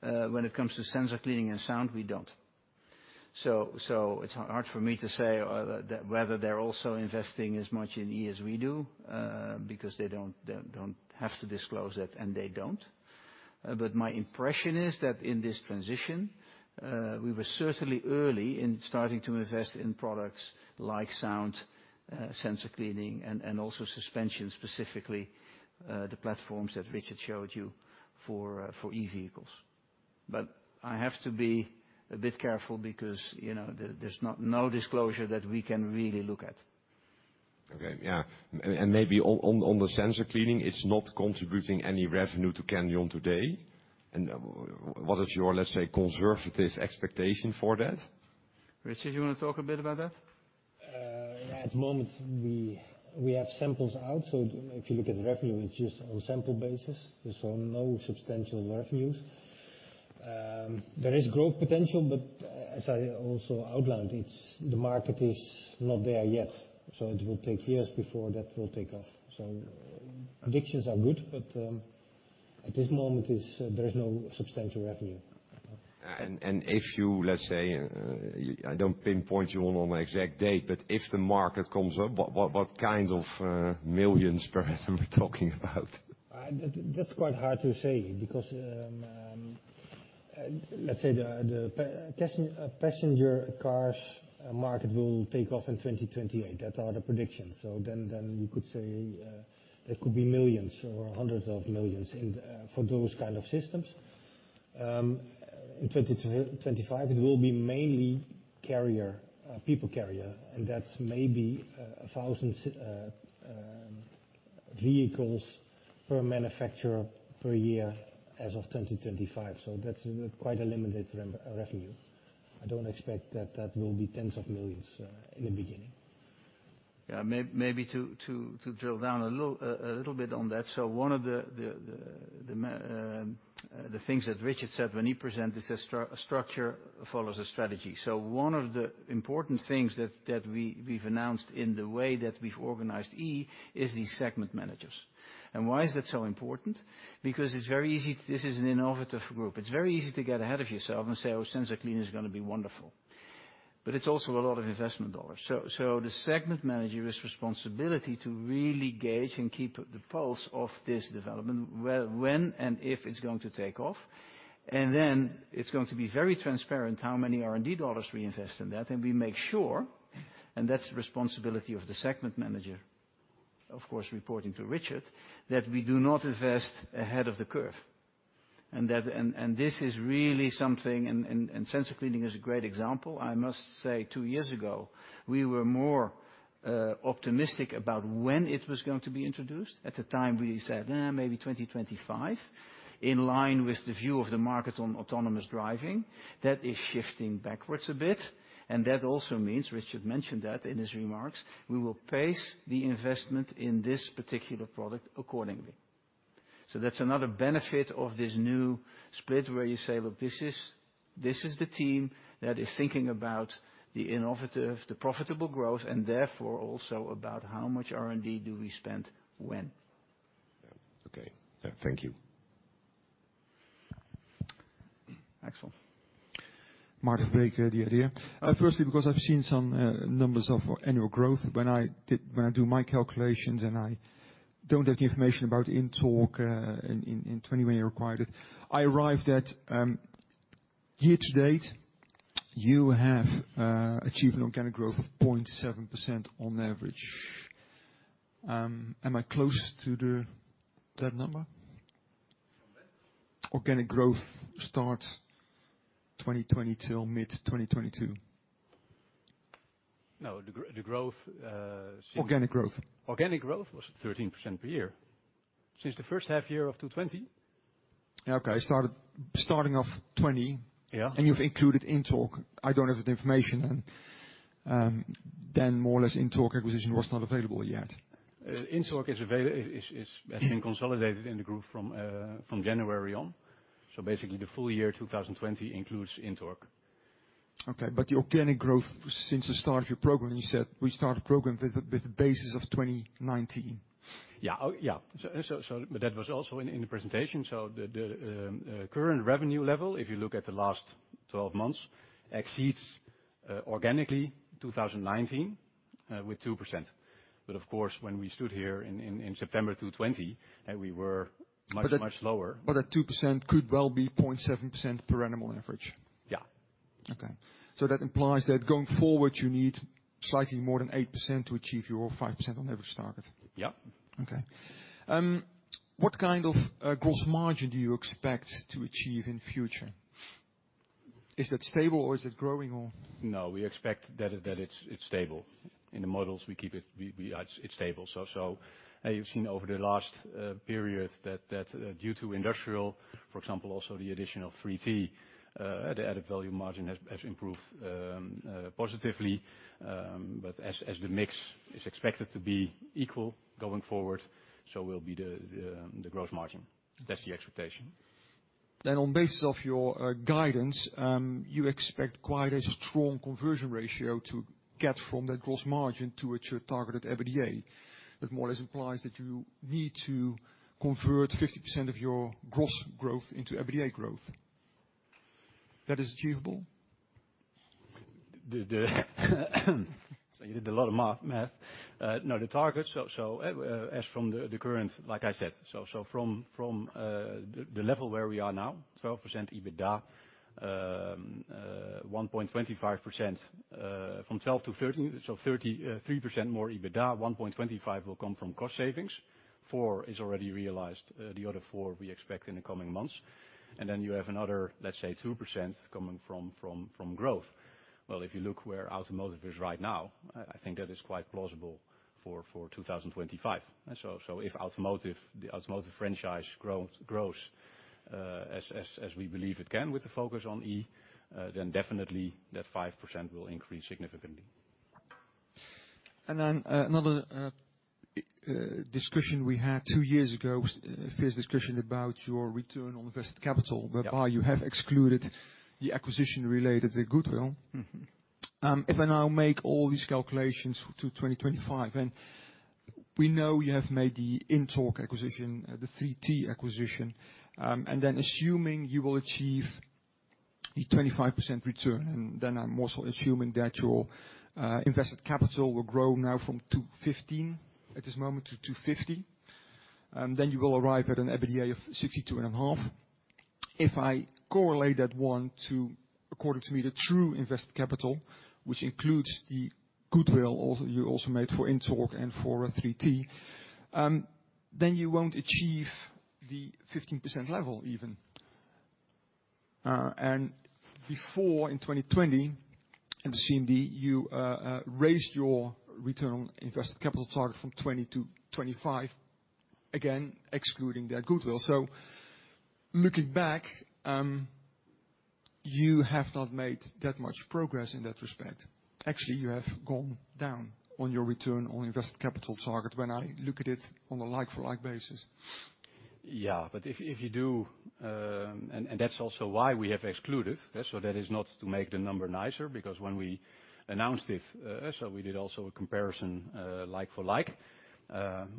When it comes to sensor cleaning and sound, we don't. So it's hard for me to say whether they're also investing as much in E as we do, because they don't have to disclose it, and they don't. But my impression is that in this transition, we were certainly early in starting to invest in products like sound, sensor cleaning and also suspension, specifically the platforms that Richard showed you for e-vehicles. But I have to be a bit careful because, you know, there's no disclosure that we can really look at. Okay. Yeah. Maybe on the sensor cleaning, it's not contributing any revenue to Core today. What is your, let's say, conservative expectation for that? Richard, you want to talk a bit about that? At the moment, we have samples out. If you look at revenue, it's just on a sample basis. No substantial revenues. There is growth potential, but as I also outlined, it's the market is not there yet. It will take years before that will take off. Predictions are good, but at this moment, there is no substantial revenue. If you, let's say, I don't pinpoint you on an exact date, but if the market comes up, what kinds of millions perhaps are we talking about? That's quite hard to say because, let's say the passenger cars market will take off in 2028. That are the predictions. You could say, that could be millions or hundreds of millions for those kind of systems. In 2025, it will be mainly people carrier, and that's maybe 1,000 vehicles per manufacturer per year as of 2025. That's quite a limited revenue. I don't expect that will be tens of millions in the beginning. Yeah. Maybe to drill down a little bit on that. One of the things that Richard said when he presented, he says, "Structure follows the strategy." One of the important things that we've announced in the way that we've organized E is the segment managers. Why is that so important? Because it's very easy. This is an innovative group. It's very easy to get ahead of yourself and say, "Oh, sensor cleaning is gonna be wonderful." It's also a lot of investment dollars. The segment manager's responsibility to really gauge and keep the pulse of this development, where, when, and if it's going to take off, and then it's going to be very transparent how many R&D dollars we invest in that. We make sure, and that's the responsibility of the segment manager, of course, reporting to Richard, that we do not invest ahead of the curve. That is really something, and sensor cleaning is a great example. I must say, two years ago, we were more optimistic about when it was going to be introduced. At the time, we said, "maybe 2025," in line with the view of the market on autonomous driving. That is shifting backwards a bit, and that also means, Richard mentioned that in his remarks, we will pace the investment in this particular product accordingly. That's another benefit of this new split, where you say, "Look, this is the team that is thinking about the innovative, the profitable growth, and therefore also about how much R&D do we spend when. Okay. Thank you. Martijn. Martijn den Drijver. Firstly, because I've seen some numbers of annual growth. When I do my calculations and I don't have the information about INTORQ in 2020 acquired it. I arrived at year to date, you have achieved an organic growth of 0.7% on average. Am I close to that number? From when? Organic growth start 2020 till mid 2022. No. The growth since- Organic growth. Organic growth was 13% per year. Since the first half year of 2020? Starting of 2020. Yeah. You've included INTORQ. I don't have that information then. More or less INTORQ acquisition was not available yet. INTORQ has been consolidated in the group from January on. Basically, the full year 2020 includes INTORQ. Okay. The organic growth since the start of your program, you said, "We start a program with a basis of 2019. Yeah. Oh, yeah. That was also in the presentation. The current revenue level, if you look at the last 12 months, exceeds organically 2019 with 2%. Of course, when we stood here in September 2020, we were much lower. That 2% could well be 0.7% per annum on average. Yeah. That implies that going forward, you need slightly more than 8% to achieve your 5% on average target. Yeah. Okay. What kind of gross margin do you expect to achieve in future? Is that stable or is it growing or? No, we expect that it's stable. In the models, we keep it stable. You've seen over the last periods that due to industrial, for example, also the addition of 3T, the added value margin has improved positively. As the mix is expected to be equal going forward, so will be the gross margin. That's the expectation. On the basis of your guidance, you expect quite a strong conversion ratio to get from that gross margin to reach your targeted EBITDA. That more or less implies that you need to convert 50% of your gross growth into EBITDA growth. That is achievable? You did a lot of math. No, the target, so as from the current, like I said, so from the level where we are now, 12% EBITDA, 1.25%, from 12%-13%, so 3% more EBITDA, 1.25% will come from cost savings. 4% is already realized. The other 4% we expect in the coming months. Then you have another, let's say, 2% coming from growth. Well, if you look where automotive is right now, I think that is quite plausible for 2025. If automotive, the automotive franchise grows as we believe it can with the focus on E, then definitely that 5% will increase significantly. Another discussion we had two years ago was a fierce discussion about your return on invested capital- Yeah. whereby you have excluded the acquisition related to goodwill. Mm-hmm. If I now make all these calculations to 2025, and we know you have made the INTORQ acquisition, the 3T acquisition, and then assuming you will achieve the 25% return, and then I'm also assuming that your invested capital will grow now from 215 million at this moment to 250 million, and then you will arrive at an EBITDA of 62.5 million. If I correlate that one to, according to me, the true invested capital, which includes the goodwill also, you also made for INTORQ and for 3T, then you won't achieve the 15% level even. Before in 2020, at the CMD, you raised your return on invested capital target from 20% to 25%, again, excluding that goodwill. Looking back, you have not made that much progress in that respect. Actually, you have gone down on your return on invested capital target when I look at it on a like-for-like basis. That's also why we have excluded, so that is not to make the number nicer because when we announced it, so we did also a comparison, like for like.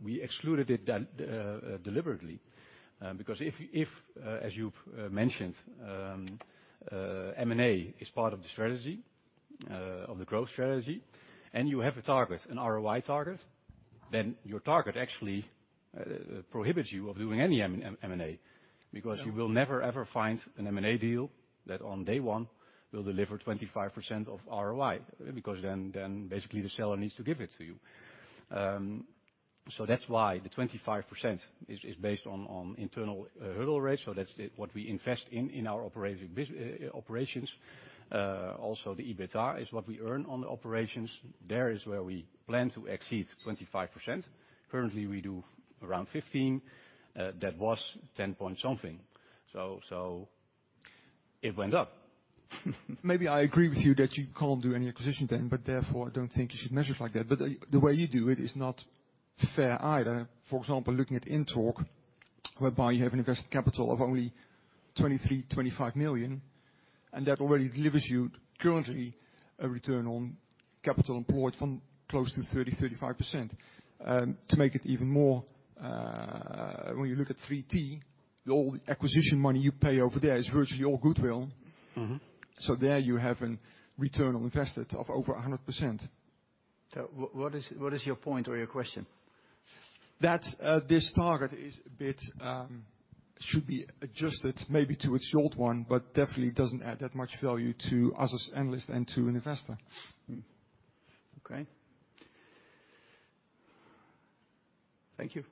We excluded it deliberately, because if as you've mentioned, M&A is part of the strategy of the growth strategy, and you have a target, an ROI target, then your target actually prohibits you of doing any M&A. Because you will never, ever find an M&A deal that on day one will deliver 25% of ROI because then basically the seller needs to give it to you. That's why the 25% is based on internal hurdle rate, that's it, what we invest in in our operating business operations. Also, the EBITDA is what we earn on the operations. There is where we plan to exceed 25%. Currently we do around 15%, that was 10-point-something. It went up. Maybe I agree with you that you can't do any acquisition then, but therefore I don't think you should measure it like that. The way you do it is not fair either. For example, looking at INTORQ, whereby you have invested capital of only 23 million-25 million, and that already delivers you currently a return on capital employed from close to 30%-35%. To make it even more, when you look at 3T, all the acquisition money you pay over there is virtually all goodwill. Mm-hmm. There you have a return on investment of over 100%. What is your point or your question? That, this target is a bit, should be adjusted maybe to a short one, but definitely doesn't add that much value to us as analysts and to an investor. Okay. Thank you.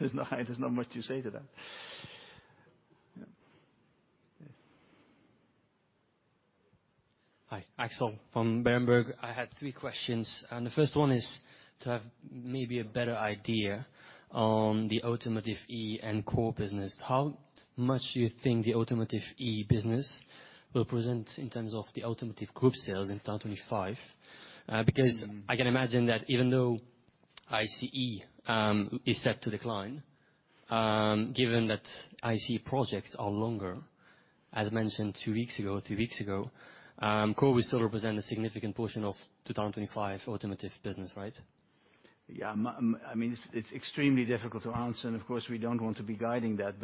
There's not much to say to that. Yeah. Yes. Hi. Axel from Berenberg. I had three questions, and the first one is to have maybe a better idea on the Automotive E and Core business. How much do you think the Automotive E business will represent in terms of the Automotive Group sales in 2025? Because I can imagine that even though ICE is set to decline, given that ICE projects are longer, as mentioned two weeks ago, three weeks ago, Core will still represent a significant portion of 2025 Automotive business, right? Yeah. I mean, it's extremely difficult to answer, and of course, we don't want to be guiding that.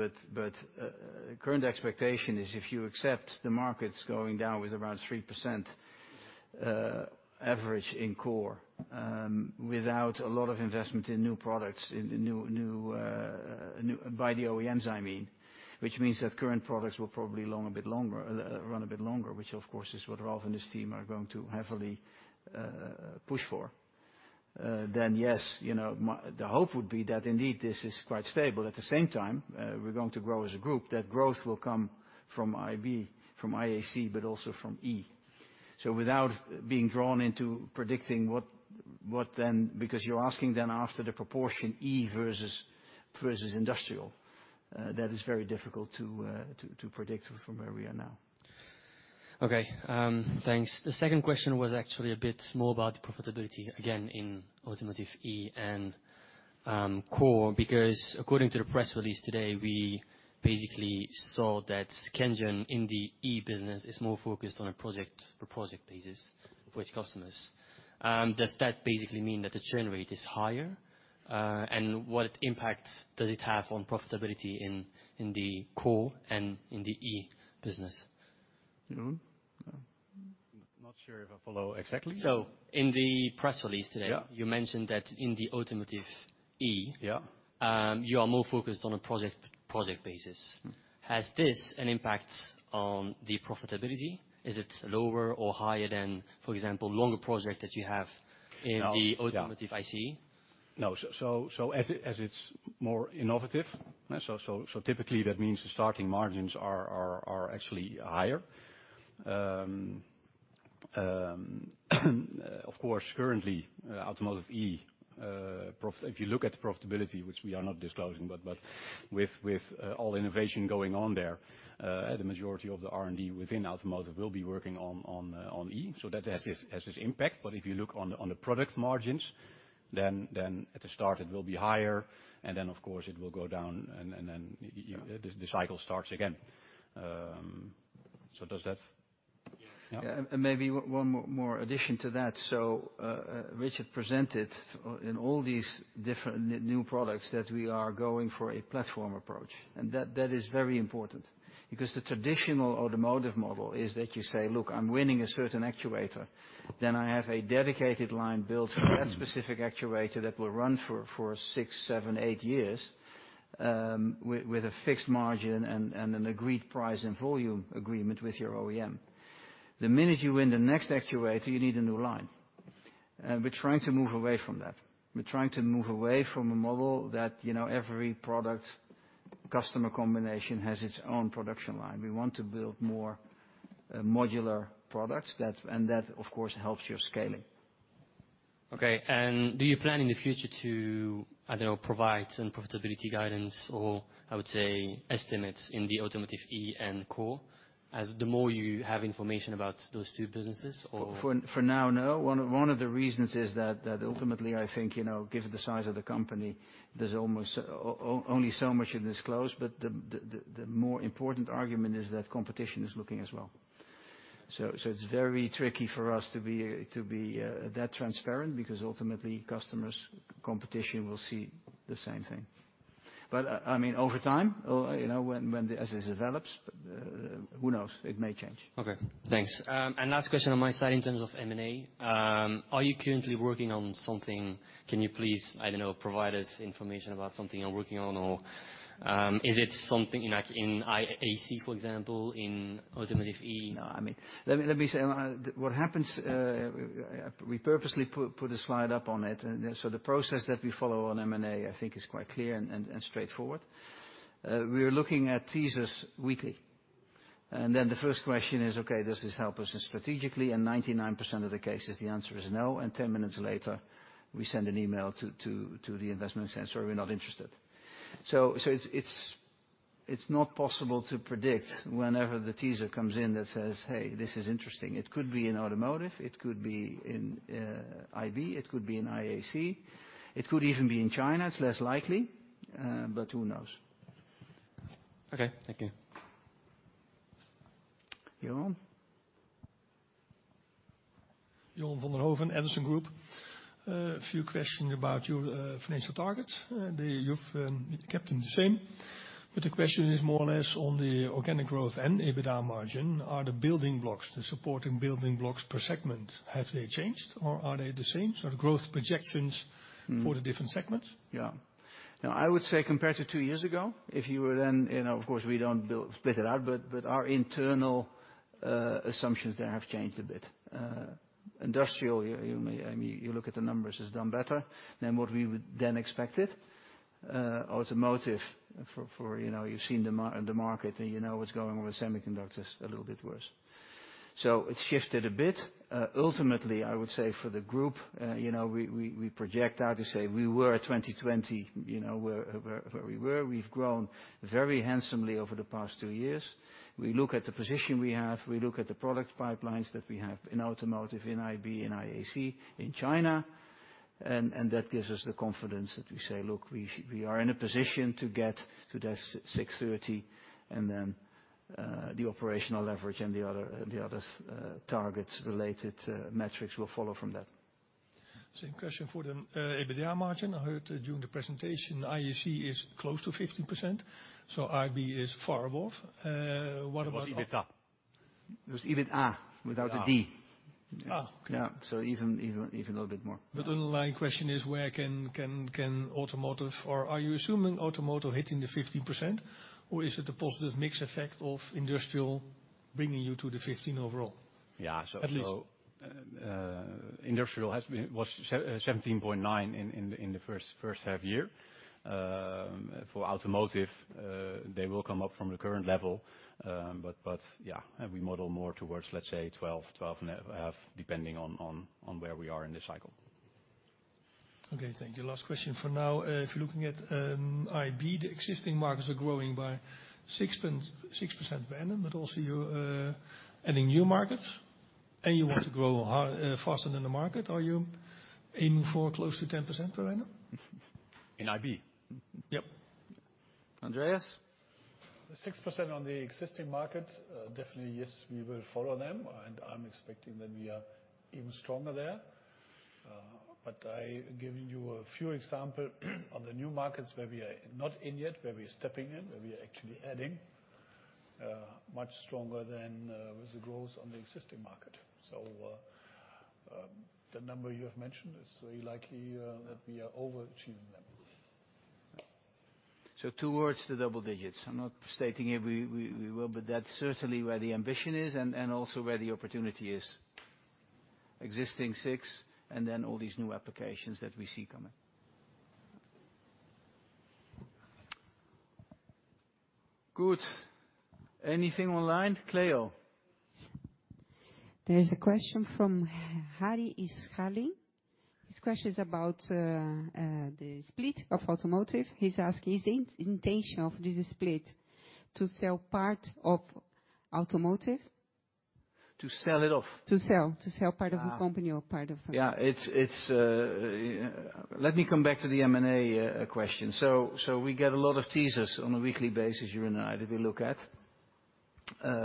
Current expectation is if you accept the markets going down with around 3%, average in core, without a lot of investment in new products. By the OEMs, I mean. Which means that current products will probably last a bit longer, run a bit longer, which of course is what Ralf and his team are going to heavily push for. Yes, you know, the hope would be that indeed this is quite stable. At the same time, we're going to grow as a group. That growth will come from IB, from IAC, but also from E. Without being drawn into predicting what then. Because you're asking then after the proportion E versus Industrial, that is very difficult to predict from where we are now. Okay. Thanks. The second question was actually a bit more about profitability again in Automotive E and Core. Because according to the press release today, we basically saw that Sensorclean in the E business is more focused on a project-per-project basis with customers. Does that basically mean that the churn rate is higher? What impact does it have on profitability in the Core and in the E business? Not sure if I follow exactly. In the press release today- Yeah. you mentioned that in the Automotive E- Yeah. You are more focused on a project basis. Has this an impact on the profitability? Is it lower or higher than, for example, longer project that you have in the Automotive ICE? No. As it's more innovative, so typically that means the starting margins are actually higher. Of course, currently, Automotive E. If you look at the profitability, which we are not disclosing, but with all innovation going on there, the majority of the R&D within Automotive will be working on E. That has its impact. If you look on the product margins, then at the start it will be higher, and then of course it will go down and then- Yeah. the cycle starts again. Does that? Yes. Yeah. Maybe one more addition to that. Richard Mijnheer presented in all these different new products that we are going for a platform approach, and that is very important. Because the traditional automotive model is that you say, "Look, I'm winning a certain actuator. Then I have a dedicated line built for that specific actuator that will run for six years, seven years, eight years, with a fixed margin and an agreed price and volume agreement with your OEM." The minute you win the next actuator, you need a new line. We're trying to move away from that. We're trying to move away from a model that, you know, every product customer combination has its own production line. We want to build more modular products, and that, of course, helps your scaling. Okay. Do you plan in the future to, I don't know, provide some profitability guidance or, I would say, estimates in the Automotive E and Core as the more you have information about those two businesses or? For now, no. One of the reasons is that ultimately I think, you know, given the size of the company, there's almost only so much you disclose, but the more important argument is that competition is looking as well. So it's very tricky for us to be that transparent because ultimately customers, competition will see the same thing. But I mean, over time, you know, as this develops, who knows, it may change. Okay, thanks. Last question on my side in terms of M&A. Are you currently working on something? Can you please, I don't know, provide us information about something you're working on? Or, is it something in, like, in IAC, for example, in Automotive E? No, I mean, let me say what happens. We purposely put a slide up on it, so the process that we follow on M&A, I think is quite clear and straightforward. We are looking at teasers weekly, and then the first question is: Okay, does this help us strategically? In 99% of the cases, the answer is no, and 10 minutes later we send an email to the investment bank saying, "Sorry, we're not interested." So it's not possible to predict whenever the teaser comes in that says, "Hey, this is interesting." It could be in Automotive, it could be in IB, it could be in IAC, it could even be in China. It's less likely, but who knows? Okay, thank you. Johan? Johan van den Hoeven, Edison Group. A few questions about your financial targets. You've kept them the same, but the question is more or less on the organic growth and EBITDA margin. Are the building blocks, the supporting building blocks per segment, have they changed or are they the same? The growth projections for the different segments? Yeah. No, I would say compared to two years ago, if you were then, you know, of course, we don't split it out, but our internal assumptions there have changed a bit. Industrial, I mean, you look at the numbers, has done better than what we would then expected. Automotive, for you know, you've seen the market, and you know what's going on with semiconductors, a little bit worse. It's shifted a bit. Ultimately, I would say for the Group, you know, we project out to say we were 2020, you know, where we were. We've grown very handsomely over the past two years. We look at the position we have, we look at the product pipelines that we have in Automotive, in IB, in IAC, in China, and that gives us the confidence that we say: Look, we are in a position to get to that 630 million, and then, the operational leverage and the other targets related metrics will follow from that. Same question for the EBITDA margin. I heard during the presentation, IAC is close to 15%, so IB is far above. What about EBITDA? It was EBITA without the D. Ah. Yeah. Even a little bit more. Underlying question is: Where can Automotive, or are you assuming Automotive hitting the 15%, or is it a positive mix effect of Industrial bringing you to the 15% overall? Yeah. At least. Industrial was 717.9 in the first half year. For Automotive, they will come up from the current level. Yeah, we model more towards, let's say 12%-12.5%, depending on where we are in the cycle. Okay, thank you. Last question for now. If you're looking at IB, the existing markets are growing by 6.6% per annum, but also you're adding new markets, and you want to grow faster than the market. Are you aiming for close to 10% per annum? In IB? Yep. Andreas? The 6% on the existing market, definitely, yes, we will follow them, and I'm expecting that we are even stronger there. But I'm giving you a few examples of the new markets where we are not in yet, where we are stepping in, where we are actually adding much stronger than with the growth on the existing market. The number you have mentioned is very likely that we are overachieving them. Towards the double digits. I'm not stating if we will, but that's certainly where the ambition is and also where the opportunity is. Existing six, and then all these new applications that we see coming. Good. Anything online, Cleo? There's a question from Harry Hesseling. His question is about the split of Automotive. He's asking: Is the intention of this split to sell part of Automotive? To sell it off? To sell part of the company. It's. Let me come back to the M&A question. We get a lot of teasers on a weekly basis, you and I, that we look at.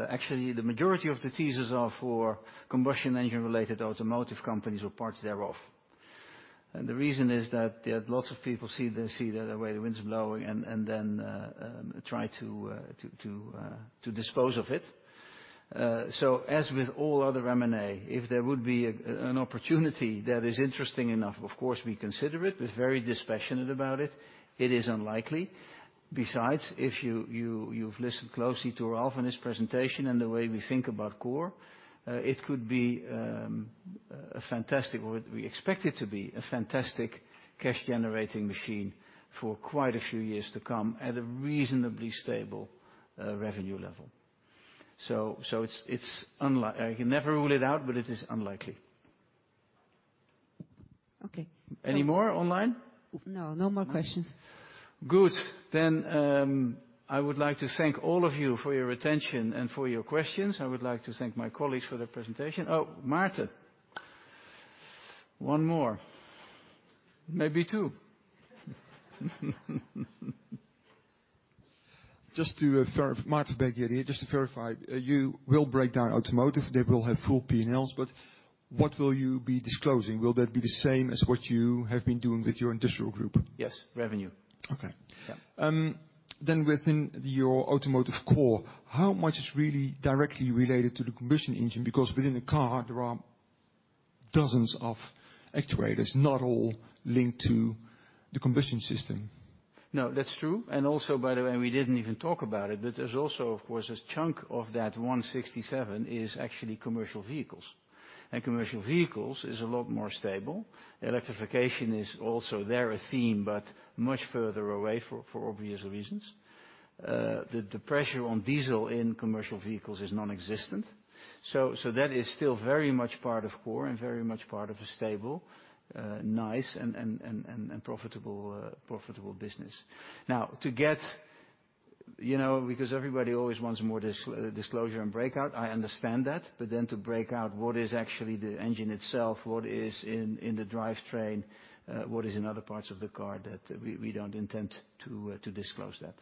Actually, the majority of the teasers are for combustion engine-related automotive companies or parts thereof. The reason is that there are lots of people see the way the wind's blowing and then try to dispose of it. As with all other M&A, if there would be an opportunity that is interesting enough, of course we'd consider it. We're very dispassionate about it. It is unlikely. Besides, if you've listened closely to Ralf and his presentation and the way we think about Core, it could be a fantastic or we expect it to be a fantastic cash-generating machine for quite a few years to come at a reasonably stable revenue level. It's unlikely. You can never rule it out, but it is unlikely. Okay. Any more online? No, no more questions. Good. I would like to thank all of you for your attention and for your questions. I would like to thank my colleagues for their presentation. Oh, Maarten, one more. Maybe two. Maarten Verbeek here. Just to verify, you will break down Automotive. They will have full P&Ls, but what will you be disclosing? Will that be the same as what you have been doing with your Industrial group? Yes. Revenue. Okay. Yeah. Within your Automotive Core, how much is really directly related to the combustion engine? Because within the car, there are dozens of actuators, not all linked to the combustion system. No, that's true. Also, by the way, we didn't even talk about it, but there's also, of course, a chunk of that 167 million is actually commercial vehicles. Commercial vehicles is a lot more stable. Electrification is also there a theme, but much further away for obvious reasons. The pressure on diesel in commercial vehicles is nonexistent. That is still very much part of Core and very much part of a stable, nice, and profitable business. Now to get, you know, because everybody always wants more disclosure and breakout, I understand that, but then to break out what is actually the engine itself, what is in the drivetrain, what is in other parts of the car that we don't intend to disclose that.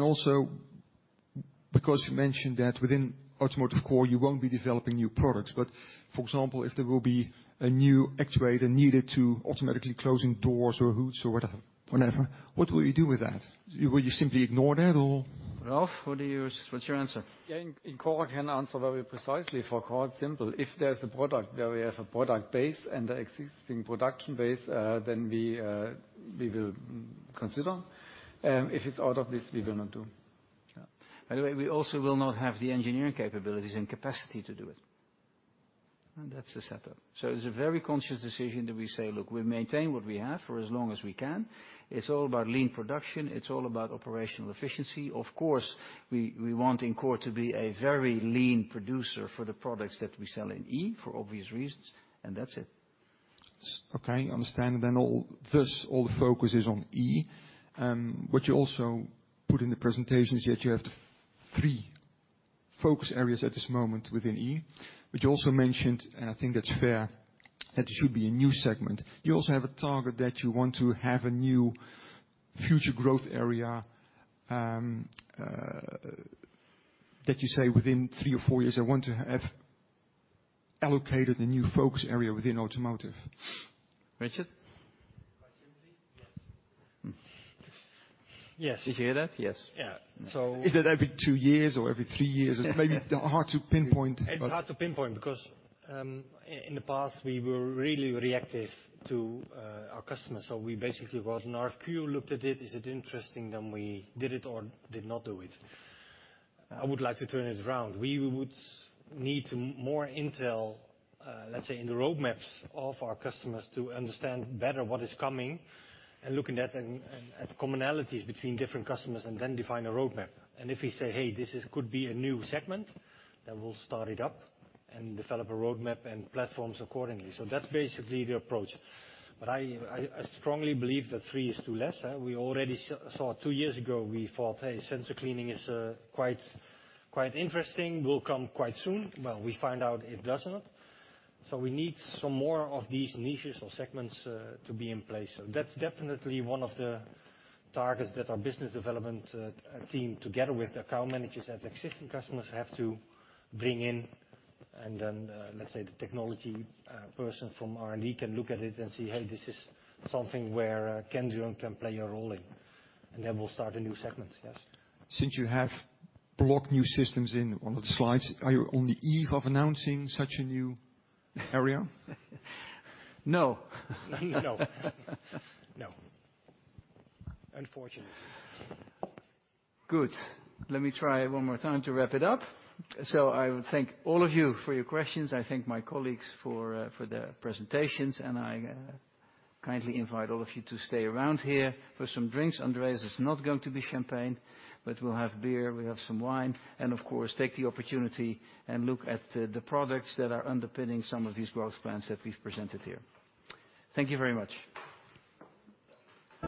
Also because you mentioned that within Automotive Core you won't be developing new products, but for example, if there will be a new actuator needed to automatically closing doors or hoods or whatever. Whatever. What will you do with that? Will you simply ignore that or? Ralf, what's your answer? Yeah. In Core, I can answer very precisely for Core, it's simple. If there's a product where we have a product base and an existing production base, then we will consider. If it's out of this, we will not do. Yeah. By the way, we also will not have the engineering capabilities and capacity to do it. That's the setup. It's a very conscious decision that we say, "Look, we maintain what we have for as long as we can." It's all about lean production. It's all about operational efficiency. Of course, we want in Core to be a very lean producer for the products that we sell in E for obvious reasons, and that's it. Okay. Understood. Then all the focus is on E. What you also put in the presentation is that you have three focus areas at this moment within E. You also mentioned, and I think that's fair, that should be a new segment. You also have a target that you want to have a new future growth area, that you say within three or four years, I want to have allocated a new focus area within Automotive. Richard? Quite simply, yes. Yes. Did you hear that? Yes. Yeah. Is it every two years or every three years? Or maybe hard to pinpoint. It's hard to pinpoint because in the past, we were really reactive to our customers. We basically got an RFQ, looked at it, is it interesting? We did it or did not do it. I would like to turn it around. We would need more intel, let's say, in the roadmaps of our customers to understand better what is coming and looking at commonalities between different customers and then define a roadmap. If we say, "Hey, this is, could be a new segment," then we'll start it up and develop a roadmap and platforms accordingly. That's basically the approach. I strongly believe that 3 is too less. We already saw two years ago, we thought, hey, sensor cleaning is quite interesting, will come quite soon. Well, we find out it does not. We need some more of these niches or segments to be in place. That's definitely one of the targets that our business development team, together with account managers and existing customers, have to bring in. Let's say the technology person from R&D can look at it and say, "Hey, this is something where Kendrion can play a role in," and then we'll start a new segment. Yes. Since you have blocked new systems in one of the slides, are you on the eve of announcing such a new area? No. No. No. Unfortunately. Good. Let me try one more time to wrap it up. I would thank all of you for your questions. I thank my colleagues for their presentations, and kindly invite all of you to stay around here for some drinks. Andreas, it's not going to be champagne, but we'll have beer, we'll have some wine. Of course, take the opportunity and look at the products that are underpinning some of these growth plans that we've presented here. Thank you very much.